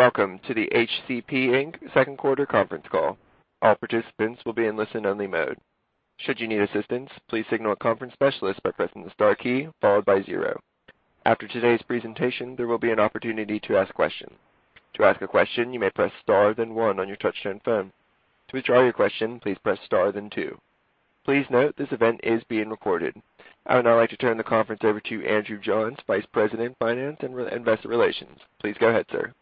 Welcome to the HCP Inc. Second Quarter Conference Call. All participants will be in listen only mode. Should you need assistance, please signal a conference specialist by pressing the star key followed by zero. After today's presentation, there will be an opportunity to ask questions. To ask a question, you may press star then one on your touch-tone phone. To withdraw your question, please press star then two. Please note this event is being recorded. I would now like to turn the conference over to Andrew Johns, Vice President, Finance and Investor Relations. Please go ahead, sir.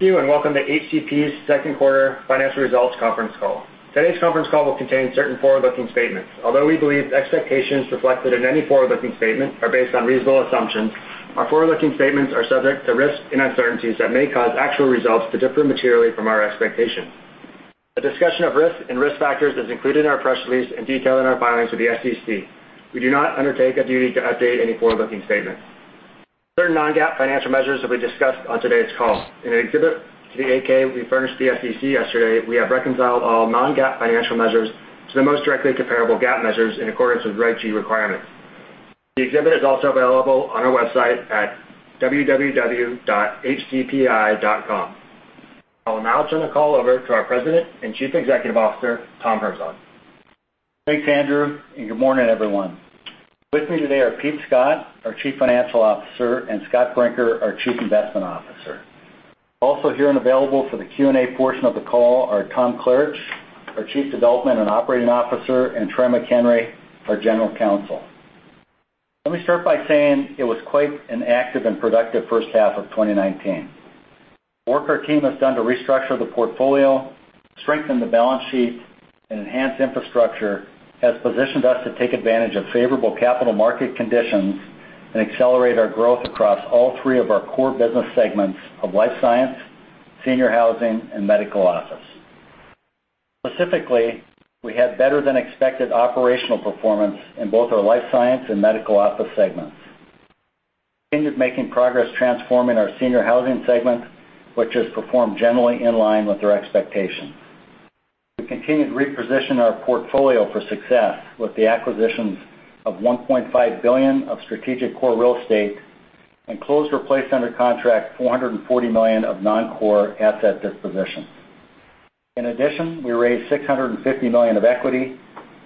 Welcome to HCP's second quarter financial results conference call. Today's conference call will contain certain forward-looking statements. We believe the expectations reflected in any forward-looking statement are based on reasonable assumptions, our forward-looking statements are subject to risks and uncertainties that may cause actual results to differ materially from our expectations. A discussion of risks and risk factors is included in our press release and detailed in our filings with the SEC. We do not undertake a duty to update any forward-looking statements. Certain non-GAAP financial measures will be discussed on today's call. In an exhibit to the 8-K we furnished the SEC yesterday, we have reconciled all non-GAAP financial measures to the most directly comparable GAAP measures in accordance with Regulation G requirements. The exhibit is also available on our website at www.healthpeak.com. I will now turn the call over to our President and Chief Executive Officer, Tom Herzog. Thanks, Andrew. Good morning, everyone. With me today are Pete Scott, our Chief Financial Officer, and Scott Brinker, our Chief Investment Officer. Also here and available for the Q&A portion of the call are Tom Klaritch, our Chief Development and Operating Officer, and Troy McHenry, our General Counsel. Let me start by saying it was quite an active and productive first half of 2019. Work our team has done to restructure the portfolio, strengthen the balance sheet, and enhance infrastructure has positioned us to take advantage of favorable capital market conditions and accelerate our growth across all three of our core business segments of life science, senior housing, and medical office. Specifically, we had better than expected operational performance in both our life science and medical office segments. We continued making progress transforming our senior housing segment, which has performed generally in line with their expectations. We continued to reposition our portfolio for success with the acquisitions of $1.5 billion of strategic core real estate and closed or placed under contract $440 million of non-core asset dispositions. We raised $650 million of equity.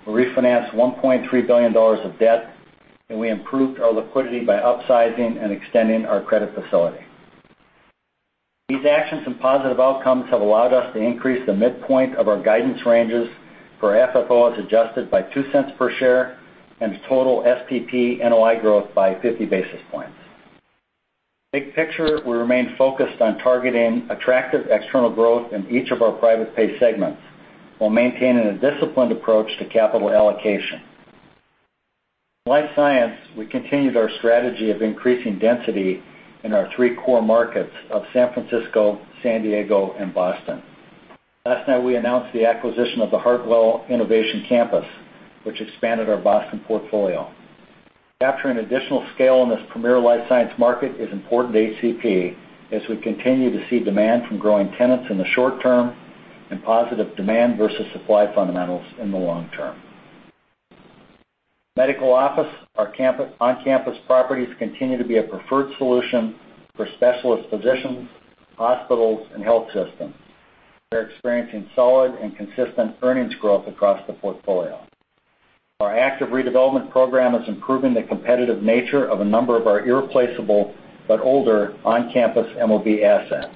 We refinanced $1.3 billion of debt, and we improved our liquidity by upsizing and extending our credit facility. These actions and positive outcomes have allowed us to increase the midpoint of our guidance ranges for FFO as adjusted by $0.02 per share and total SPP NOI growth by 50 basis points. Big picture, we remain focused on targeting attractive external growth in each of our private pay segments while maintaining a disciplined approach to capital allocation. Life science, we continued our strategy of increasing density in our three core markets of San Francisco, San Diego, and Boston. Last night, we announced the acquisition of the Hartwell Innovation Campus, which expanded our Boston portfolio. Capturing additional scale in this premier life science market is important to HCP as we continue to see demand from growing tenants in the short term and positive demand versus supply fundamentals in the long term. Medical office. Our on-campus properties continue to be a preferred solution for specialist physicians, hospitals, and health systems. They're experiencing solid and consistent earnings growth across the portfolio. Our active redevelopment program is improving the competitive nature of a number of our irreplaceable but older on-campus MOB assets,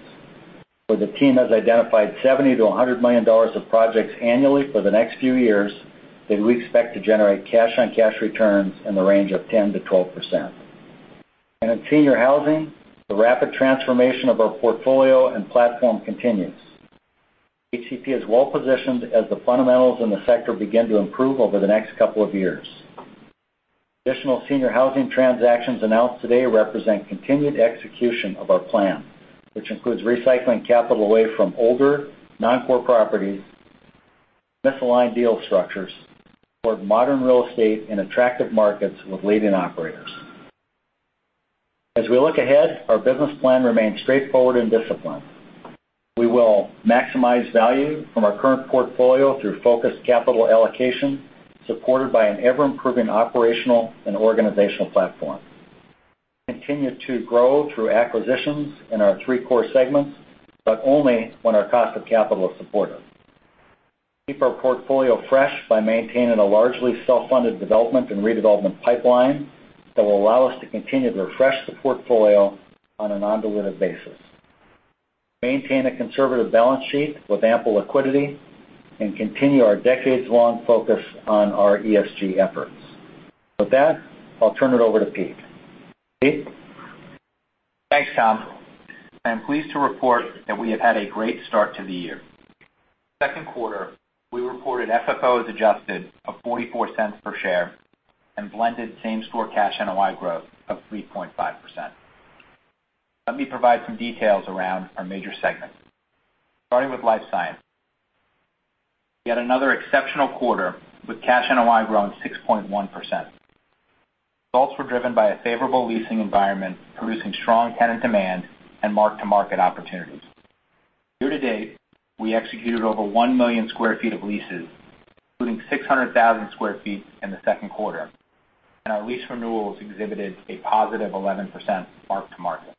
where the team has identified $70 million-$100 million of projects annually for the next few years that we expect to generate cash-on-cash returns in the range of 10%-12%. In senior housing, the rapid transformation of our portfolio and platform continues. HCP is well positioned as the fundamentals in the sector begin to improve over the next couple of years. Additional senior housing transactions announced today represent continued execution of our plan, which includes recycling capital away from older, non-core properties, misaligned deal structures toward modern real estate in attractive markets with leading operators. As we look ahead, our business plan remains straightforward and disciplined. We will maximize value from our current portfolio through focused capital allocation, supported by an ever-improving operational and organizational platform. Continue to grow through acquisitions in our three core segments, but only when our cost of capital is supportive. Keep our portfolio fresh by maintaining a largely self-funded development and redevelopment pipeline that will allow us to continue to refresh the portfolio on a non-dilutive basis. Maintain a conservative balance sheet with ample liquidity and continue our decades-long focus on our ESG efforts. With that, I'll turn it over to Pete. Pete? Thanks, Tom. I am pleased to report that we have had a great start to the year. Second quarter, we reported FFO as adjusted of $0.44 per share and blended same-store cash NOI growth of 3.5%. Let me provide some details around our major segments. Starting with life science. Yet another exceptional quarter with cash NOI growing 6.1%. Results were driven by a favorable leasing environment producing strong tenant demand and mark-to-market opportunities. Year-to-date, we executed over 1 million sq ft of leases, including 600,000 sq ft in the second quarter, and our lease renewals exhibited a +11% mark to market.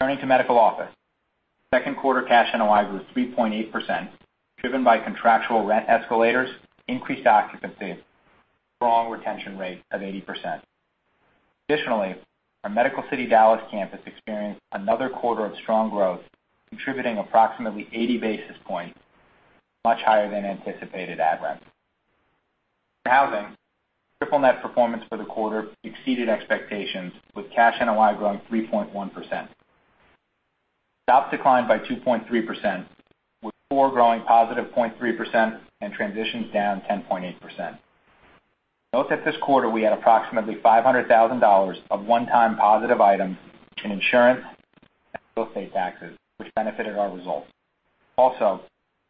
Turning to medical office. Second quarter cash NOI grew 3.8%, driven by contractual rent escalators, increased occupancy, strong retention rate of 80%. Additionally, our Medical City Dallas campus experienced another quarter of strong growth, contributing approximately 80 basis points, much higher than anticipated ad rent. For housing, triple net performance for the quarter exceeded expectations, with cash NOI growing 3.1%. SHOP declined by 2.3%, with FFO growing +0.3% and transitions down 10.8%. Note that this quarter, we had approximately $500,000 of one-time positive items in insurance and real estate taxes, which benefited our results. Also,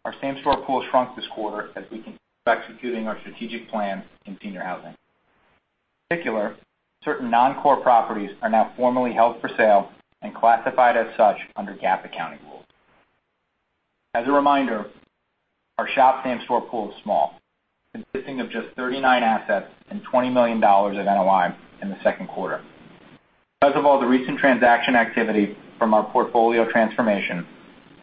our same-store pool shrunk this quarter as we continue executing our strategic plan in senior housing. In particular, certain non-core properties are now formally held for sale and classified as such under GAAP accounting rules. As a reminder, our SHOP same-store pool is small, consisting of just 39 assets and $20 million of NOI in the second quarter. Because of all the recent transaction activity from our portfolio transformation,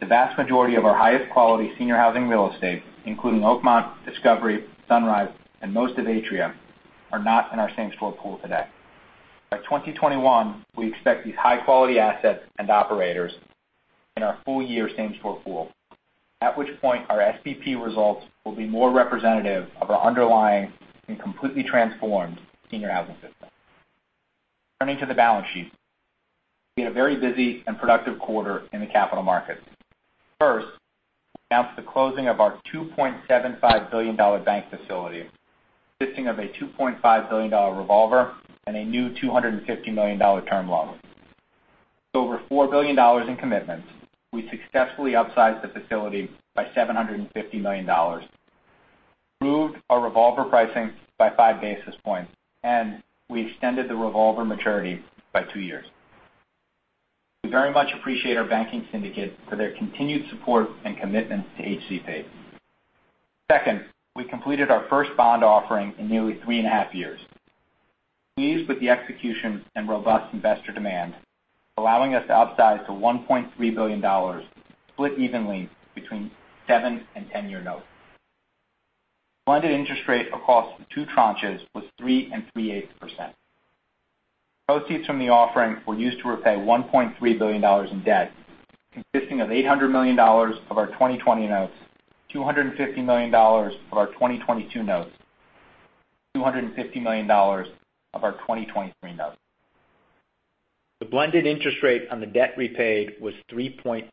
the vast majority of our highest quality senior housing real estate, including Oakmont, Discovery, Sunrise, and most of Atria, are not in our same-store pool today. By 2021, we expect these high-quality assets and operators in our full-year same-store pool, at which point our SPP results will be more representative of our underlying and completely transformed senior housing system. Turning to the balance sheet. We had a very busy and productive quarter in the capital markets. First, we announced the closing of our $2.75 billion bank facility, consisting of a $2.5 billion revolver and a new $250 million term loan. With over $4 billion in commitments, we successfully upsized the facility by $750 million, improved our revolver pricing by five basis points, and we extended the revolver maturity by two years. We very much appreciate our banking syndicate for their continued support and commitment to HCP. Second, we completed our first bond offering in nearly three and a half years. We are pleased with the execution and robust investor demand, allowing us to upsize to $1.3 billion, split evenly between seven and 10-year notes. Blended interest rate across the two tranches was 3.38%. Proceeds from the offering were used to repay $1.3 billion in debt, consisting of $800 million of our 2020 notes, $250 million of our 2022 notes, and $250 million of our 2023 notes. The blended interest rate on the debt repaid was 3.2%.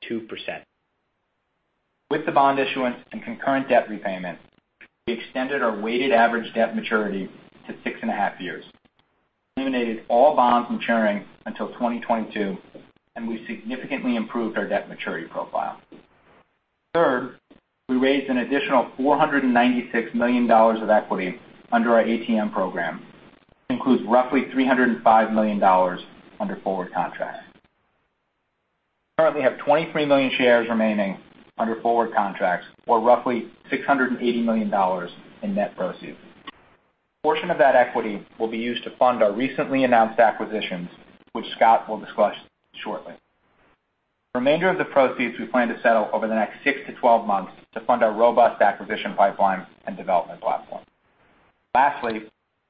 With the bond issuance and concurrent debt repayment, we extended our weighted average debt maturity to six and a half years. We eliminated all bonds maturing until 2022, and we significantly improved our debt maturity profile. Third, we raised an additional $496 million of equity under our ATM program, which includes roughly $305 million under forward contracts. We currently have 23 million shares remaining under forward contracts or roughly $680 million in net proceeds. A portion of that equity will be used to fund our recently announced acquisitions, which Scott will discuss shortly. The remainder of the proceeds we plan to settle over the next 6-12 months to fund our robust acquisition pipeline and development platform. Lastly,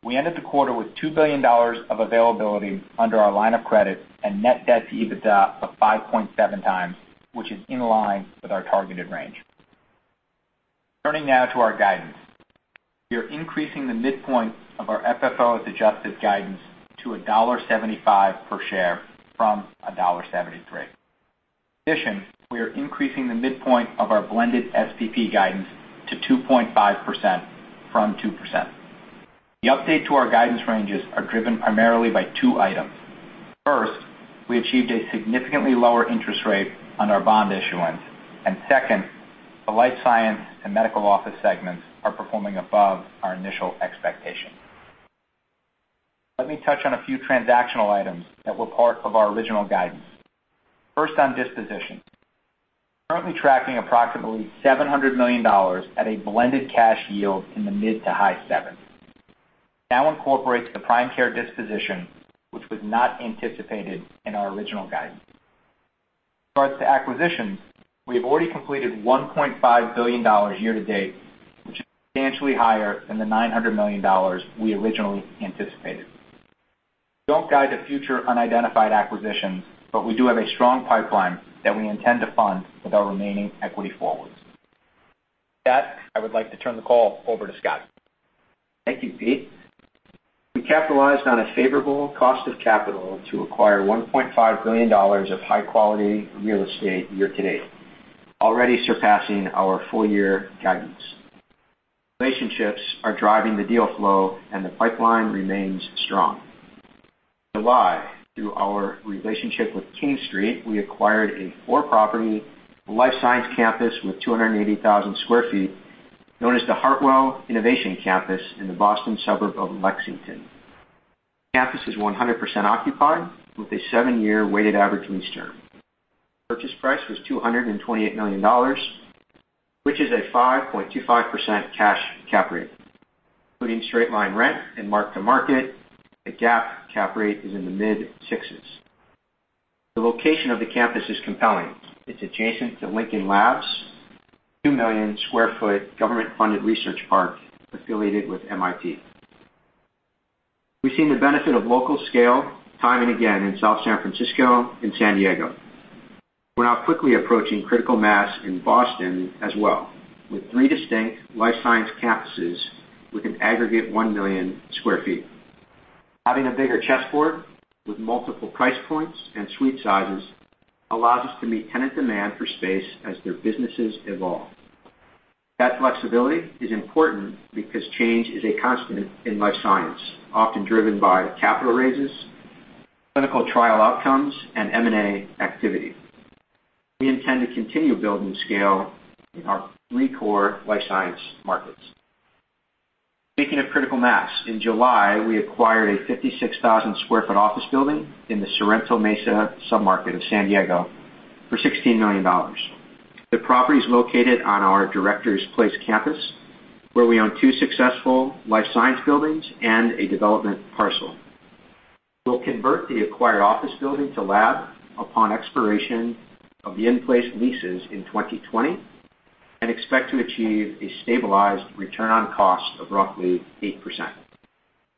we ended the quarter with $2 billion of availability under our line of credit and net debt to EBITDA of 5.7x, which is in line with our targeted range. Turning now to our guidance. We are increasing the midpoint of our FFO-adjusted guidance to $1.75 per share from $1.73. In addition, we are increasing the midpoint of our blended SPP guidance to 2.5% from 2%. The update to our guidance ranges are driven primarily by two items. First, we achieved a significantly lower interest rate on our bond issuance, and second, the life science and medical office segments are performing above our initial expectations. Let me touch on a few transactional items that were part of our original guidance. First, on dispositions. We're currently tracking approximately $700 million at a blended cash yield in the mid to high sevens. This now incorporates the PrimeCare disposition, which was not anticipated in our original guidance. With regards to acquisitions, we have already completed $1.5 billion year to date, which is substantially higher than the $900 million we originally anticipated. We don't guide to future unidentified acquisitions, we do have a strong pipeline that we intend to fund with our remaining equity forwards. With that, I would like to turn the call over to Scott. Thank you, Pete. We capitalized on a favorable cost of capital to acquire $1.5 billion of high-quality real estate year to date, already surpassing our full-year guidance. Relationships are driving the deal flow, and the pipeline remains strong. In July, through our relationship with King Street, we acquired a four-property life science campus with 280,000 sq ft, known as the Hartwell Innovation Campus in the Boston suburb of Lexington. Campus is 100% occupied with a seven-year weighted average lease term. Purchase price was $228 million, which is a 5.25% cash cap rate. Including straight line rent and mark to market, the GAAP cap rate is in the mid-sixes. The location of the campus is compelling. It's adjacent to Lincoln Labs, a 2 million sq ft government-funded research park affiliated with MIT. We've seen the benefit of local scale time and again in South San Francisco and San Diego. We're now quickly approaching critical mass in Boston as well, with three distinct life science campuses with an aggregate 1 million sq ft. Having a bigger chessboard with multiple price points and suite sizes allows us to meet tenant demand for space as their businesses evolve. That flexibility is important because change is a constant in life science, often driven by capital raises, clinical trial outcomes, and M&A activity. We intend to continue building scale in our three core life science markets. Speaking of critical mass, in July, we acquired a 56,000 sq ft office building in the Sorrento Mesa sub-market of San Diego for $16 million. The property's located on our Directors Place campus, where we own two successful life science buildings and a development parcel. We'll convert the acquired office building to lab upon expiration of the in-place leases in 2020 and expect to achieve a stabilized return on cost of roughly 8%.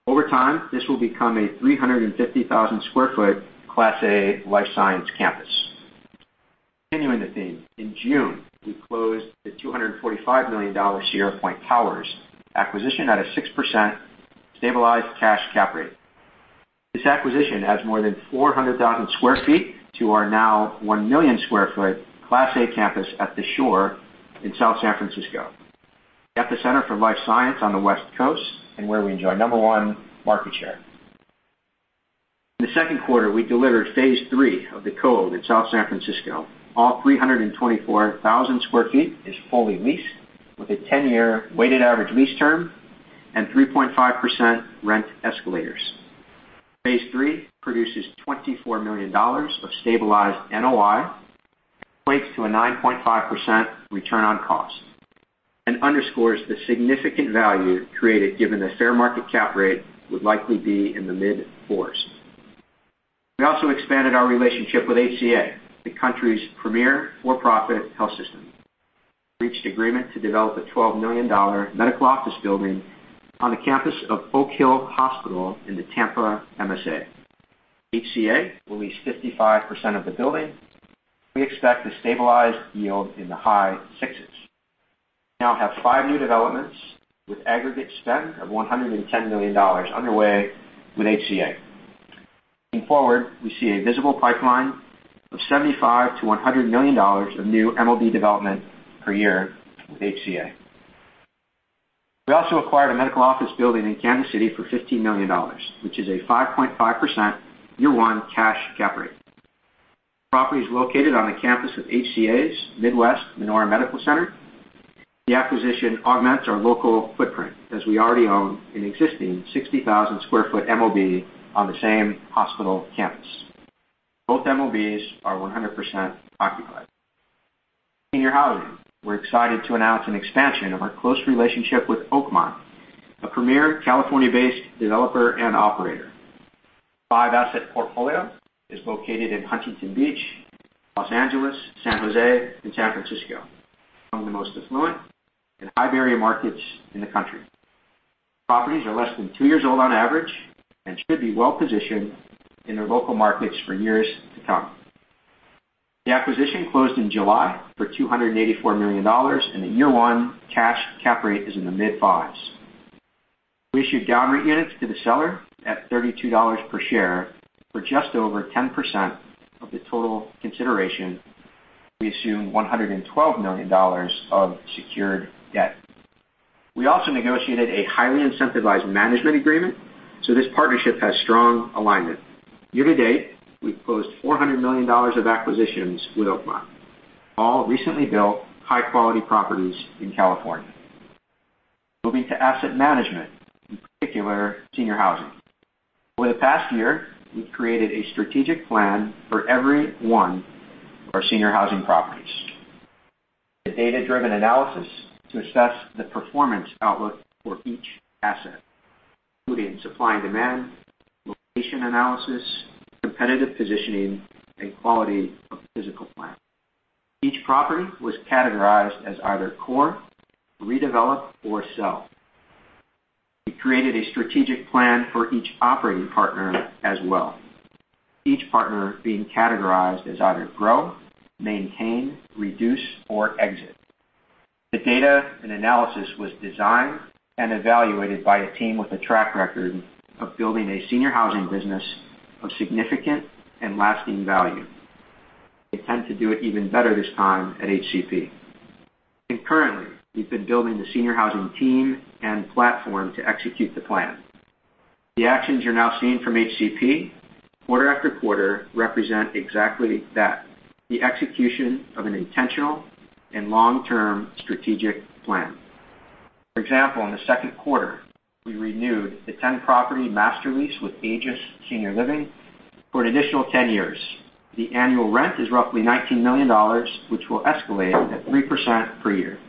Over time, this will become a 350,000 sq ft Class A life science campus. Continuing the theme, in June, we closed the $245 million Sierra Point Towers acquisition at a 6% stabilized cash cap rate. This acquisition adds more than 400,000 sq ft to our now 1 million sq ft Class A campus at the Shore in South San Francisco. At the center for life science on the West Coast and where we enjoy number one market share. In the second quarter, we delivered phase III of The Cove in South San Francisco. All 324,000 sq ft is fully leased with a 10-year weighted average lease term and 3.5% rent escalators. Phase III produces $24 million of stabilized NOI, equates to a 9.5% return on cost, and underscores the significant value created given the fair market cap rate would likely be in the mid-fours. We also expanded our relationship with HCA, the country's premier for-profit health system. We reached agreement to develop a $12 million medical office building on the campus of Oak Hill Hospital in the Tampa MSA. HCA will lease 55% of the building. We expect a stabilized yield in the high sixes. We now have five new developments with aggregate spend of $110 million underway with HCA. Looking forward, we see a visible pipeline of $75 million-$100 million of new MOB development per year with HCA. We also acquired a medical office building in Kansas City for $15 million, which is a 5.5% year-one cash cap rate. The property is located on the campus of HCA's Midwest Menorah Medical Center. The acquisition augments our local footprint, as we already own an existing 60,000 sq ft MOB on the same hospital campus. Both MOBs are 100% occupied. Senior housing. We're excited to announce an expansion of our close relationship with Oakmont, a premier California-based developer and operator. Its five-asset portfolio is located in Huntington Beach, Los Angeles, San Jose, and San Francisco, among the most affluent and high barrier markets in the country. The properties are less than two years old on average and should be well-positioned in their local markets for years to come. The acquisition closed in July for $284 million, and the year-one cash cap rate is in the mid-fives. We issued DownREIT units to the seller at $32 per share for just over 10% of the total consideration. We assume $112 million of secured debt. We also negotiated a highly incentivized management agreement, so this partnership has strong alignment. Year to date, we've closed $400 million of acquisitions with Oakmont, all recently built high-quality properties in California. Moving to asset management, in particular, senior housing. Over the past year, we've created a strategic plan for every one of our senior housing properties. The data-driven analysis to assess the performance outlook for each asset, including supply and demand, location analysis, competitive positioning, and quality of physical plant. Each property was categorized as either core, redevelop, or sell. We created a strategic plan for each operating partner as well, each partner being categorized as either grow, maintain, reduce, or exit. The data and analysis was designed and evaluated by a team with a track record of building a senior housing business of significant and lasting value. They tend to do it even better this time at HCP. Concurrently, we've been building the senior housing team and platform to execute the plan. The actions you're now seeing from HCP quarter after quarter represent exactly that: the execution of an intentional and long-term strategic plan. For example, in the second quarter, we renewed the 10-property master lease with Aegis Living for an additional 10 years. The annual rent is roughly $19 million, which will escalate at 3% per year.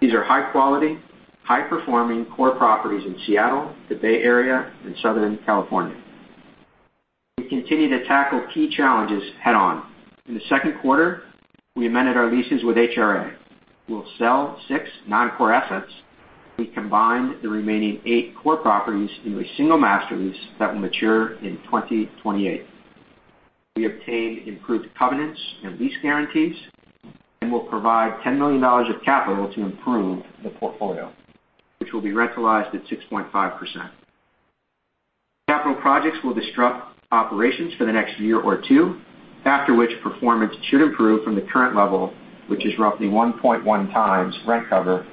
These are high-quality, high-performing core properties in Seattle, the Bay Area, and Southern California. We continue to tackle key challenges head-on. In the second quarter, we amended our leases with HRA. We'll sell six non-core assets. We combined the remaining eight core properties into a single master lease that will mature in 2028. We obtained improved covenants and lease guarantees and will provide $10 million of capital to improve the portfolio, which will be rentalized at 6.5%. Capital projects will disrupt operations for the next year or two, after which performance should improve from the current level, which is roughly 1.1 times rent cover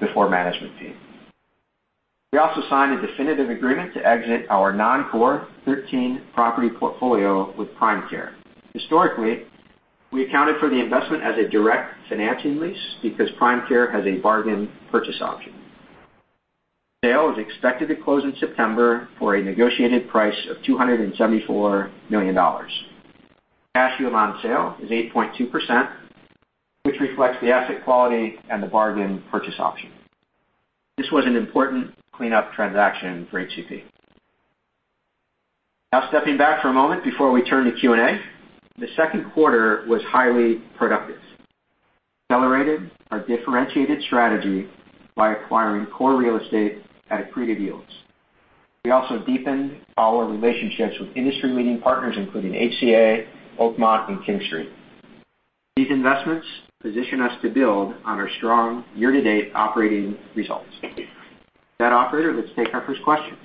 before management fee. We also signed a definitive agreement to exit our non-core 13-property portfolio with PrimeCare. Historically, we accounted for the investment as a direct financing lease because PrimeCare has a bargain purchase option. Sale is expected to close in September for a negotiated price of $274 million. Cash yield on sale is 8.2%, which reflects the asset quality and the bargain purchase option. This was an important cleanup transaction for HCP. Stepping back for a moment before we turn to Q&A. The second quarter was highly productive. Accelerated our differentiated strategy by acquiring core real estate at accreted yields. We also deepened our relationships with industry-leading partners, including HCA, Oakmont, and King Street. These investments position us to build on our strong year-to-date operating results. With that, operator, let's take our first question.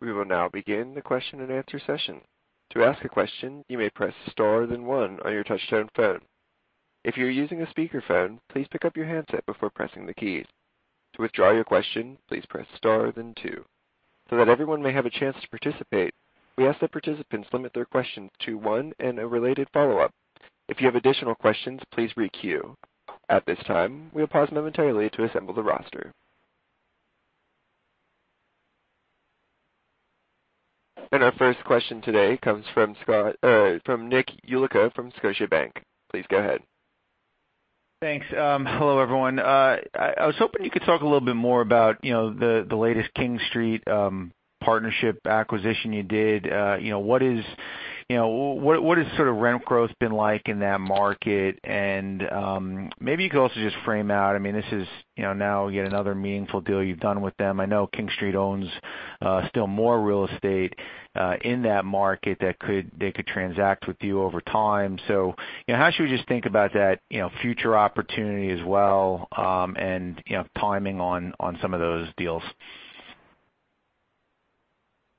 We will now begin the question-and-answer session. To ask a question, you may press star then one on your touchtone phone. If you're using a speakerphone, please pick up your handset before pressing the keys. To withdraw your question, please press star then two. That everyone may have a chance to participate, we ask that participants limit their questions to one and a related follow-up. If you have additional questions, please re-queue. At this time, we'll pause momentarily to assemble the roster. Our first question today comes from Nick Yulico from Scotiabank. Please go ahead. Thanks. Hello, everyone. I was hoping you could talk a little bit more about the latest King Street partnership acquisition you did. What has sort of rent growth been like in that market? Maybe you could also just frame out, this is now yet another meaningful deal you've done with them. I know King Street owns still more real estate in that market that they could transact with you over time. How should we just think about that future opportunity as well, and timing on some of those deals?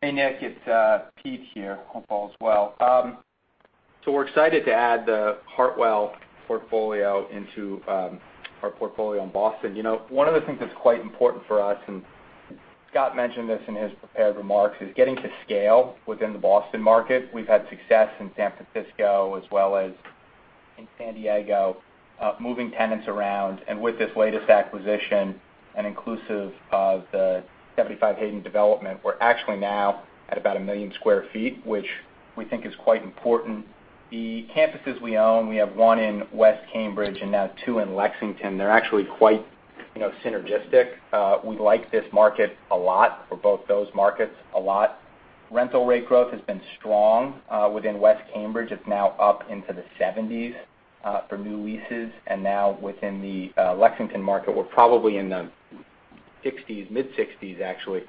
Hey, Nick, it's Pete here. Hope all is well. We're excited to add the Hartwell portfolio into our portfolio in Boston. One of the things that's quite important for us, and Scott mentioned this in his prepared remarks, is getting to scale within the Boston market. We've had success in San Francisco as well as in San Diego, moving tenants around. With this latest acquisition and inclusive of the 75 Hayden development, we're actually now at about 1 million square feet, which we think is quite important. The campuses we own, we have one in West Cambridge and now two in Lexington. They're actually quite synergistic. We like this market a lot for both those markets a lot. Rental rate growth has been strong within West Cambridge. It's now up into the 70s for new leases. Now within the Lexington market, we're probably in the 60s, mid-60s actually,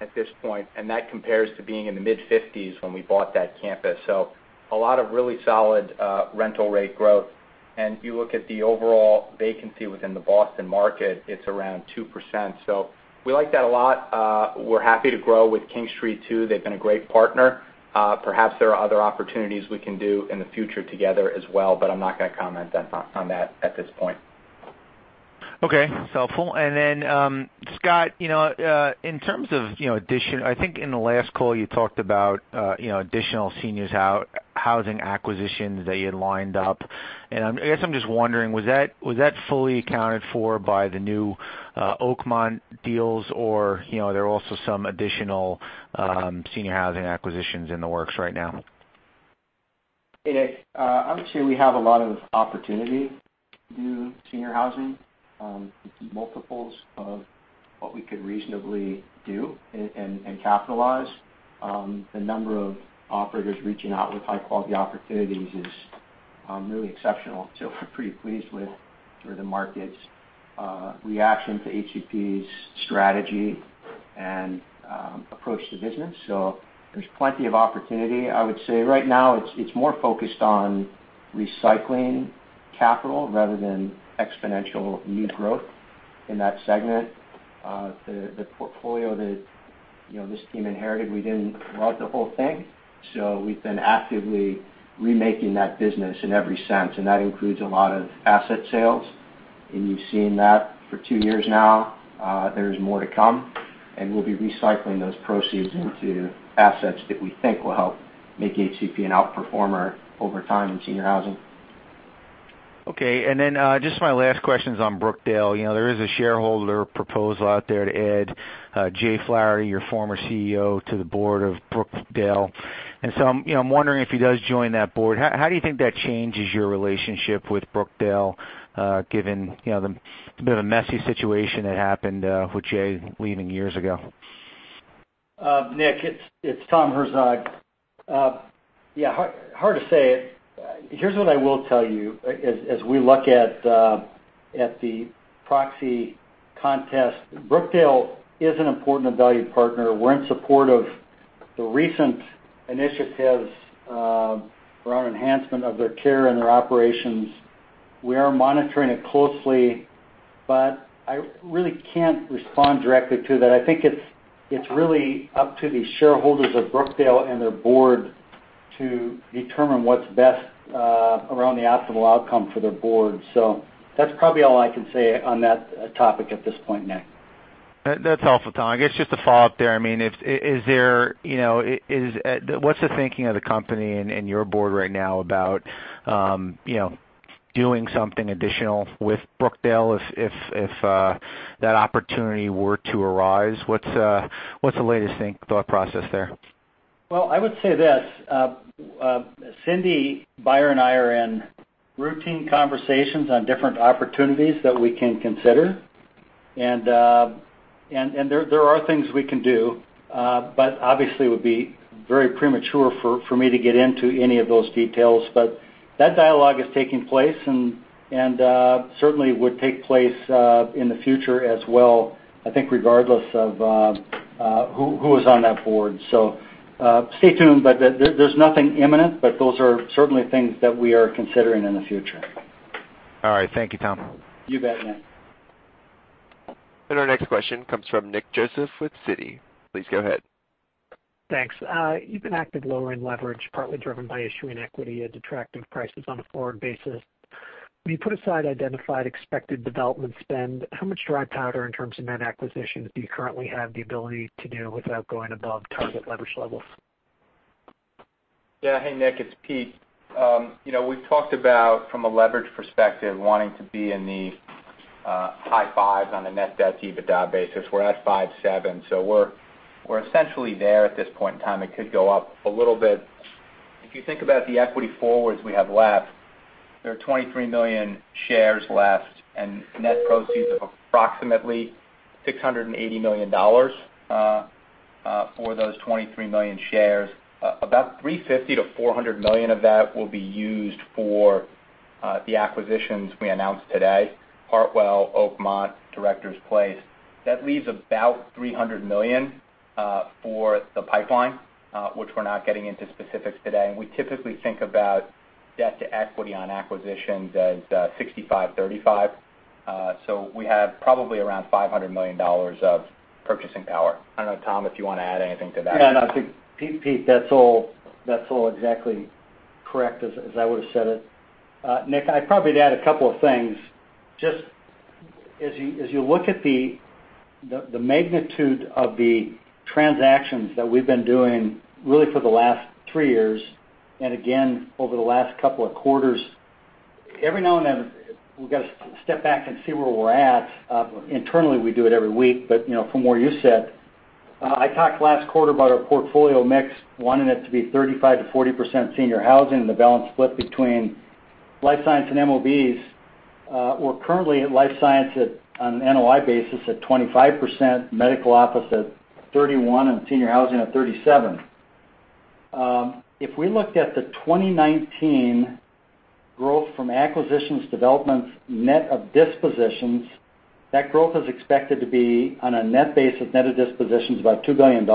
at this point, and that compares to being in the mid-50s when we bought that campus. A lot of really solid rental rate growth. If you look at the overall vacancy within the Boston market, it's around 2%. We like that a lot. We're happy to grow with King Street, too. They've been a great partner. Perhaps there are other opportunities we can do in the future together as well, but I'm not going to comment on that at this point. Okay. Helpful. Scott, I think in the last call, you talked about additional seniors housing acquisitions that you had lined up. I guess I'm just wondering, was that fully accounted for by the new Oakmont deals, or there are also some additional senior housing acquisitions in the works right now? Hey, Nick. We have a lot of opportunity to do senior housing, multiples of what we could reasonably do and capitalize. The number of operators reaching out with high-quality opportunities is really exceptional. We're pretty pleased with the market's reaction to HCP's strategy and approach to business. There's plenty of opportunity. I would say right now, it's more focused on recycling capital rather than exponential new growth in that segment. The portfolio that this team inherited, we didn't love the whole thing. We've been actively remaking that business in every sense, and that includes a lot of asset sales, and you've seen that for two years now. There's more to come. We'll be recycling those proceeds into assets that we think will help make HCP an outperformer over time in senior housing. Okay. Just my last question is on Brookdale. There is a shareholder proposal out there to add Jay Flaherty, your former CEO, to the board of Brookdale. I'm wondering if he does join that board, how do you think that changes your relationship with Brookdale, given the bit of a messy situation that happened with Jay leaving years ago? Nick, it's Tom Herzog. Yeah, hard to say. Here's what I will tell you, as we look at the proxy contest, Brookdale Senior Living is an important and valued partner. We're in support of the recent initiatives around enhancement of their care and their operations. We are monitoring it closely, but I really can't respond directly to that. I think it's really up to the shareholders of Brookdale Senior Living and their board to determine what's best around the optimal outcome for their board. That's probably all I can say on that topic at this point, Nick. That's helpful, Tom. I guess just to follow up there, what's the thinking of the company and your board right now about doing something additional with Brookdale if that opportunity were to arise? What's the latest thought process there? Well, I would say this. Cindy, Byron and I are in routine conversations on different opportunities that we can consider, and there are things we can do. Obviously, it would be very premature for me to get into any of those details. That dialogue is taking place and certainly would take place in the future as well, I think, regardless of who is on that board. Stay tuned, but there's nothing imminent, but those are certainly things that we are considering in the future. All right. Thank you, Tom. You bet, Nick. Our next question comes from Nick Joseph with Citi. Please go ahead. Thanks. You've been active lowering leverage, partly driven by issuing equity at attractive prices on a forward basis. When you put aside identified expected development spend, how much dry powder in terms of net acquisitions do you currently have the ability to do without going above target leverage levels? Hey, Nick, it's Pete. We've talked about, from a leverage perspective, wanting to be in the high fives on a net debt-to-EBITDA basis. We're at 5.7x, we're essentially there at this point in time. It could go up a little bit. If you think about the equity forwards we have left, there are 23 million shares left and net proceeds of approximately $680 million for those 23 million shares. About $350 million-$400 million of that will be used for the acquisitions we announced today, Hartwell, Oakmont, Directors Place. That leaves about $300 million for the pipeline, which we're not getting into specifics today. We typically think about debt to equity on acquisitions as 65-35. We have probably around $500 million of purchasing power. I don't know, Tom, if you want to add anything to that. No, I think, Pete, that's all exactly correct, as I would've said it. Nick, I'd probably add a couple of things. Just as you look at the magnitude of the transactions that we've been doing really for the last three years, and again over the last couple of quarters, every now and then we've got to step back and see where we're at. Internally, we do it every week. From where you sit, I talked last quarter about our portfolio mix, wanting it to be 35%-40% senior housing and the balance split between life science and MOBs. We're currently at life science on an NOI basis at 25%, medical office at 31%, and senior housing at 37%. If we looked at the 2019 growth from acquisitions, developments, net of dispositions, that growth is expected to be on a net basis, net of dispositions, about $2 billion.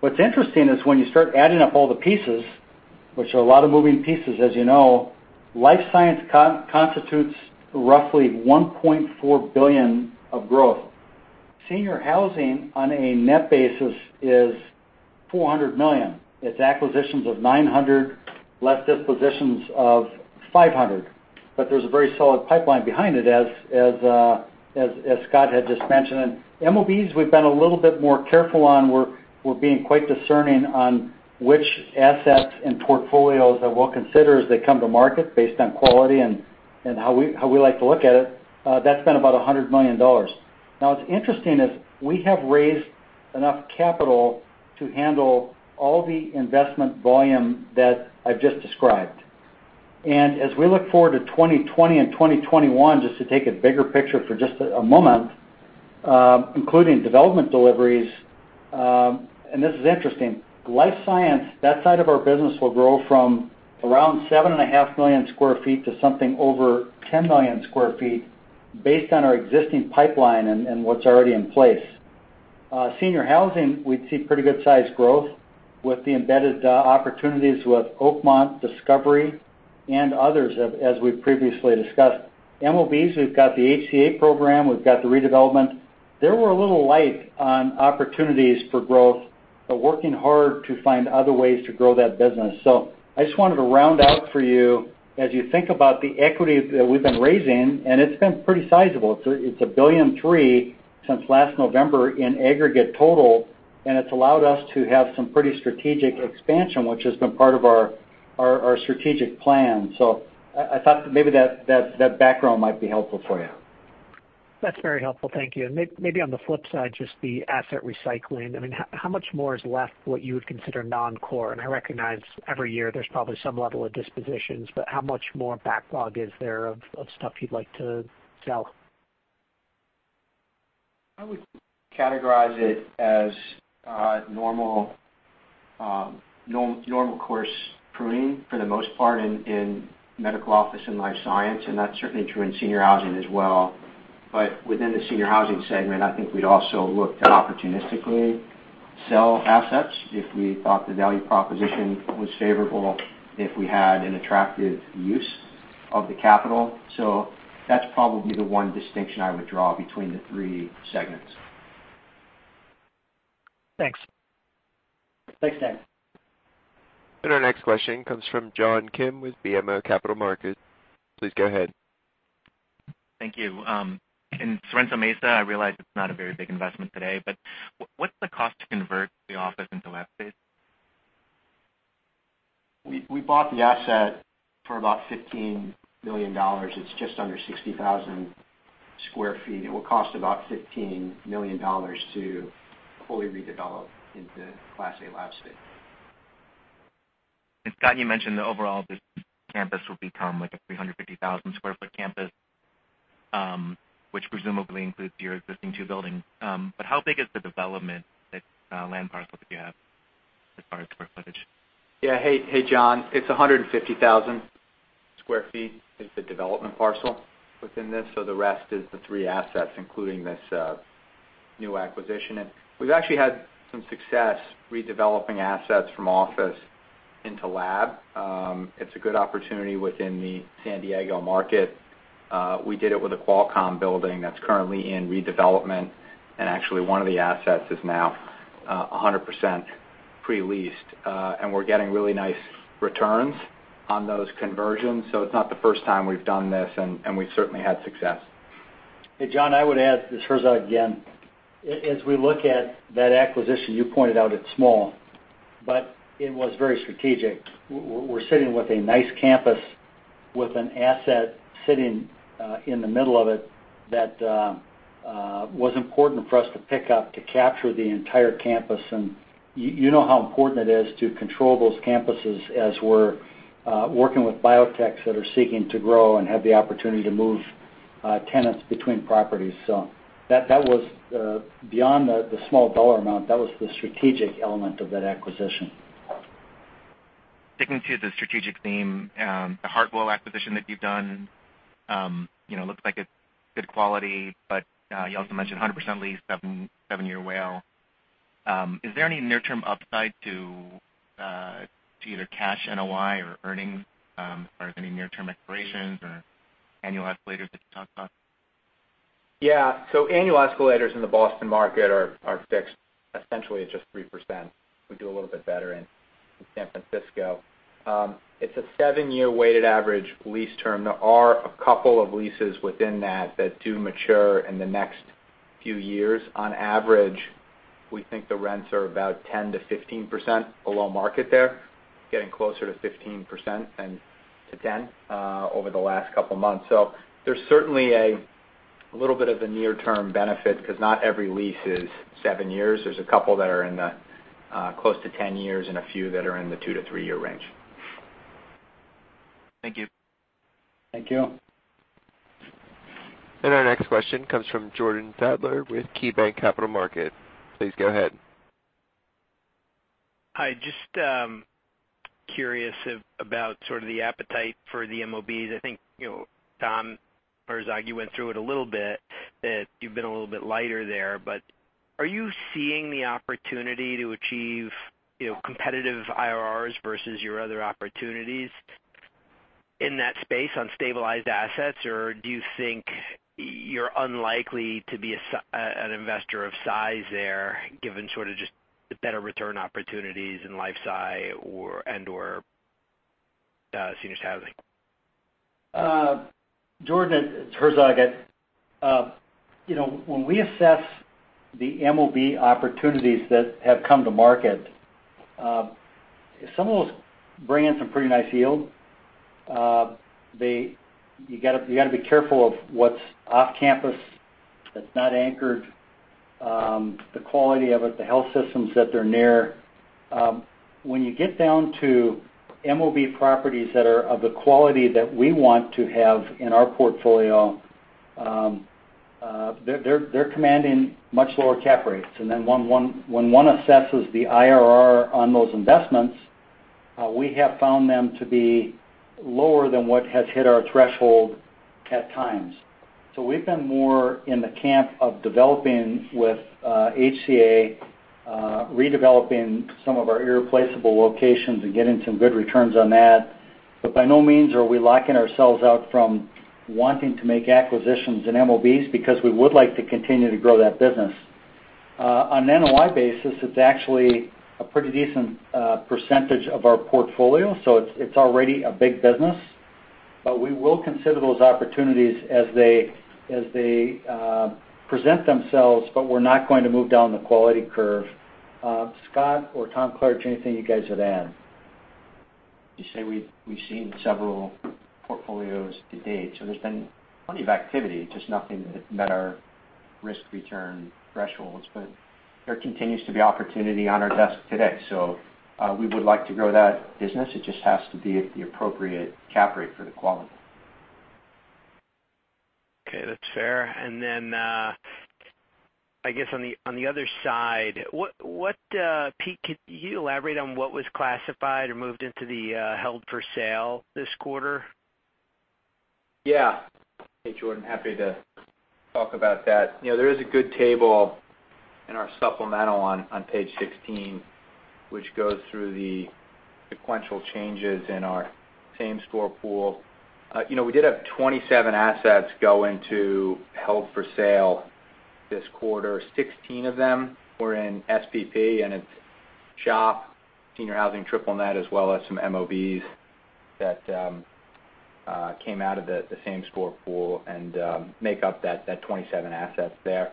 What's interesting is when you start adding up all the pieces, which are a lot of moving pieces as you know, life science constitutes roughly $1.4 billion of growth. Senior housing on a net basis is $400 million. It's acquisitions of $900 million, less dispositions of $500 million. There's a very solid pipeline behind it, as Scott had just mentioned. MOBs, we've been a little bit more careful on. We're being quite discerning on which assets and portfolios that we'll consider as they come to market based on quality and how we like to look at it. That's been about $100 million. What's interesting is we have raised enough capital to handle all the investment volume that I've just described. As we look forward to 2020 and 2021, just to take a bigger picture for just a moment, including development deliveries, and this is interesting. Life science, that side of our business will grow from around 7.5 million sq ft to something over 10 million sq ft based on our existing pipeline and what's already in place. Senior housing, we'd see pretty good-sized growth with the embedded opportunities with Oakmont, Discovery, and others, as we've previously discussed. MOBs, we've got the HCA program, we've got the redevelopment. They were a little light on opportunities for growth. We're working hard to find other ways to grow that business. I just wanted to round out for you, as you think about the equity that we've been raising, and it's been pretty sizable. It's $1.3 billion since last November in aggregate total, and it's allowed us to have some pretty strategic expansion, which has been part of our strategic plan. I thought maybe that background might be helpful for you. That's very helpful. Thank you. Maybe on the flip side, just the asset recycling. How much more is left, what you would consider non-core? I recognize every year there's probably some level of dispositions, but how much more backlog is there of stuff you'd like to sell? I would categorize it as normal course pruning for the most part in medical office and life science, and that's certainly true in senior housing as well. Within the senior housing segment, I think we'd also look to opportunistically sell assets if we thought the value proposition was favorable, if we had an attractive use of the capital. That's probably the one distinction I would draw between the three segments. Thanks. Thanks, Dan. Our next question comes from John Kim with BMO Capital Markets. Please go ahead. Thank you. In Sorrento Mesa, I realize it's not a very big investment today, but what's the cost to convert the office into lab space? We bought the asset for about $15 million. It's just under 60,000 sq ft. It will cost about $15 million to fully redevelop into Class A lab space. Scott, you mentioned the overall campus will become like a 350,000 sq ft campus, which presumably includes your existing two buildings. But how big is the development land parcel that you have as far as square footage? Yeah. Hey, John. It's 150,000 sq ft is the development parcel within this. The rest is the three assets, including this new acquisition. We've actually had some success redeveloping assets from office into lab. It's a good opportunity within the San Diego market. We did it with a Qualcomm building that's currently in redevelopment, actually, one of the assets is now 100% pre-leased. We're getting really nice returns on those conversions. It's not the first time we've done this, we've certainly had success. Hey, John, I would add, this is Herzog again. As we look at that acquisition, you pointed out it's small, but it was very strategic. We're sitting with a nice campus with an asset sitting in the middle of it that was important for us to pick up to capture the entire campus. You know how important it is to control those campuses as we're working with biotech's that are seeking to grow and have the opportunity to move tenants between properties. Beyond the small dollar amount, that was the strategic element of that acquisition. Sticking to the strategic theme, the Hartwell acquisition that you've done looks like it's good quality, but you also mentioned 100% leased, seven-year. Is there any near-term upside to either cash NOI or earnings? Are there any near-term expirations or annual escalators that you talked about? Yeah. Annual escalators in the Boston market are fixed, essentially at just 3%. We do a little bit better in San Francisco. It's a seven-year weighted average lease term. There are a couple of leases within that that do mature in the next few years. On average, we think the rents are about 10%-15% below market there, getting closer to 15% than to 10% over the last couple of months. There's certainly a little bit of a near-term benefit because not every lease is seven years. There's a couple that are in the close to 10 years and a few that are in the two to three-year range. Thank you. Thank you. Our next question comes from Jordan Sadler with KeyBanc Capital Markets. Please go ahead. Hi, just curious about sort of the appetite for the MOBs. I think Tom Herzog, you went through it a little bit, that you've been a little bit lighter there, but are you seeing the opportunity to achieve competitive IRRs versus your other opportunities in that space on stabilized assets, or do you think you're unlikely to be an investor of size there given sort of just the better return opportunities in life sci and/or senior housing? Jordan, it's Herzog. When we assess the MOB opportunities that have come to market, some of those bring in some pretty nice yield. You got to be careful of what's off-campus, that's not anchored, the quality of it, the health systems that they're near. When you get down to MOB properties that are of the quality that we want to have in our portfolio, they're commanding much lower cap rates. When one assesses the IRR on those investments, we have found them to be lower than what has hit our threshold at times. We've been more in the camp of developing with HCA, redeveloping some of our irreplaceable locations, and getting some good returns on that. By no means are we locking ourselves out from wanting to make acquisitions in MOBs, because we would like to continue to grow that business. On an NOI basis, it's actually a pretty decent percentage of our portfolio. It's already a big business. We will consider those opportunities as they present themselves. We're not going to move down the quality curve. Scott or Tom Klaritch, anything you guys would add? You say we've seen several portfolios to date, so there's been plenty of activity, just nothing that met our risk-return thresholds. There continues to be opportunity on our desk today. We would like to grow that business. It just has to be at the appropriate cap rate for the quality. Okay, that's fair. I guess on the other side, Pete, could you elaborate on what was classified or moved into the held for sale this quarter? Hey, Jordan. Happy to talk about that. There is a good table in our supplemental on page 16, which goes through the sequential changes in our same-store pool. We did have 27 assets go into held for sale this quarter. 16 of them were in SPP, and it's SHOP, senior housing, triple net, as well as some MOBs that came out of the same-store pool and make up that 27 assets there.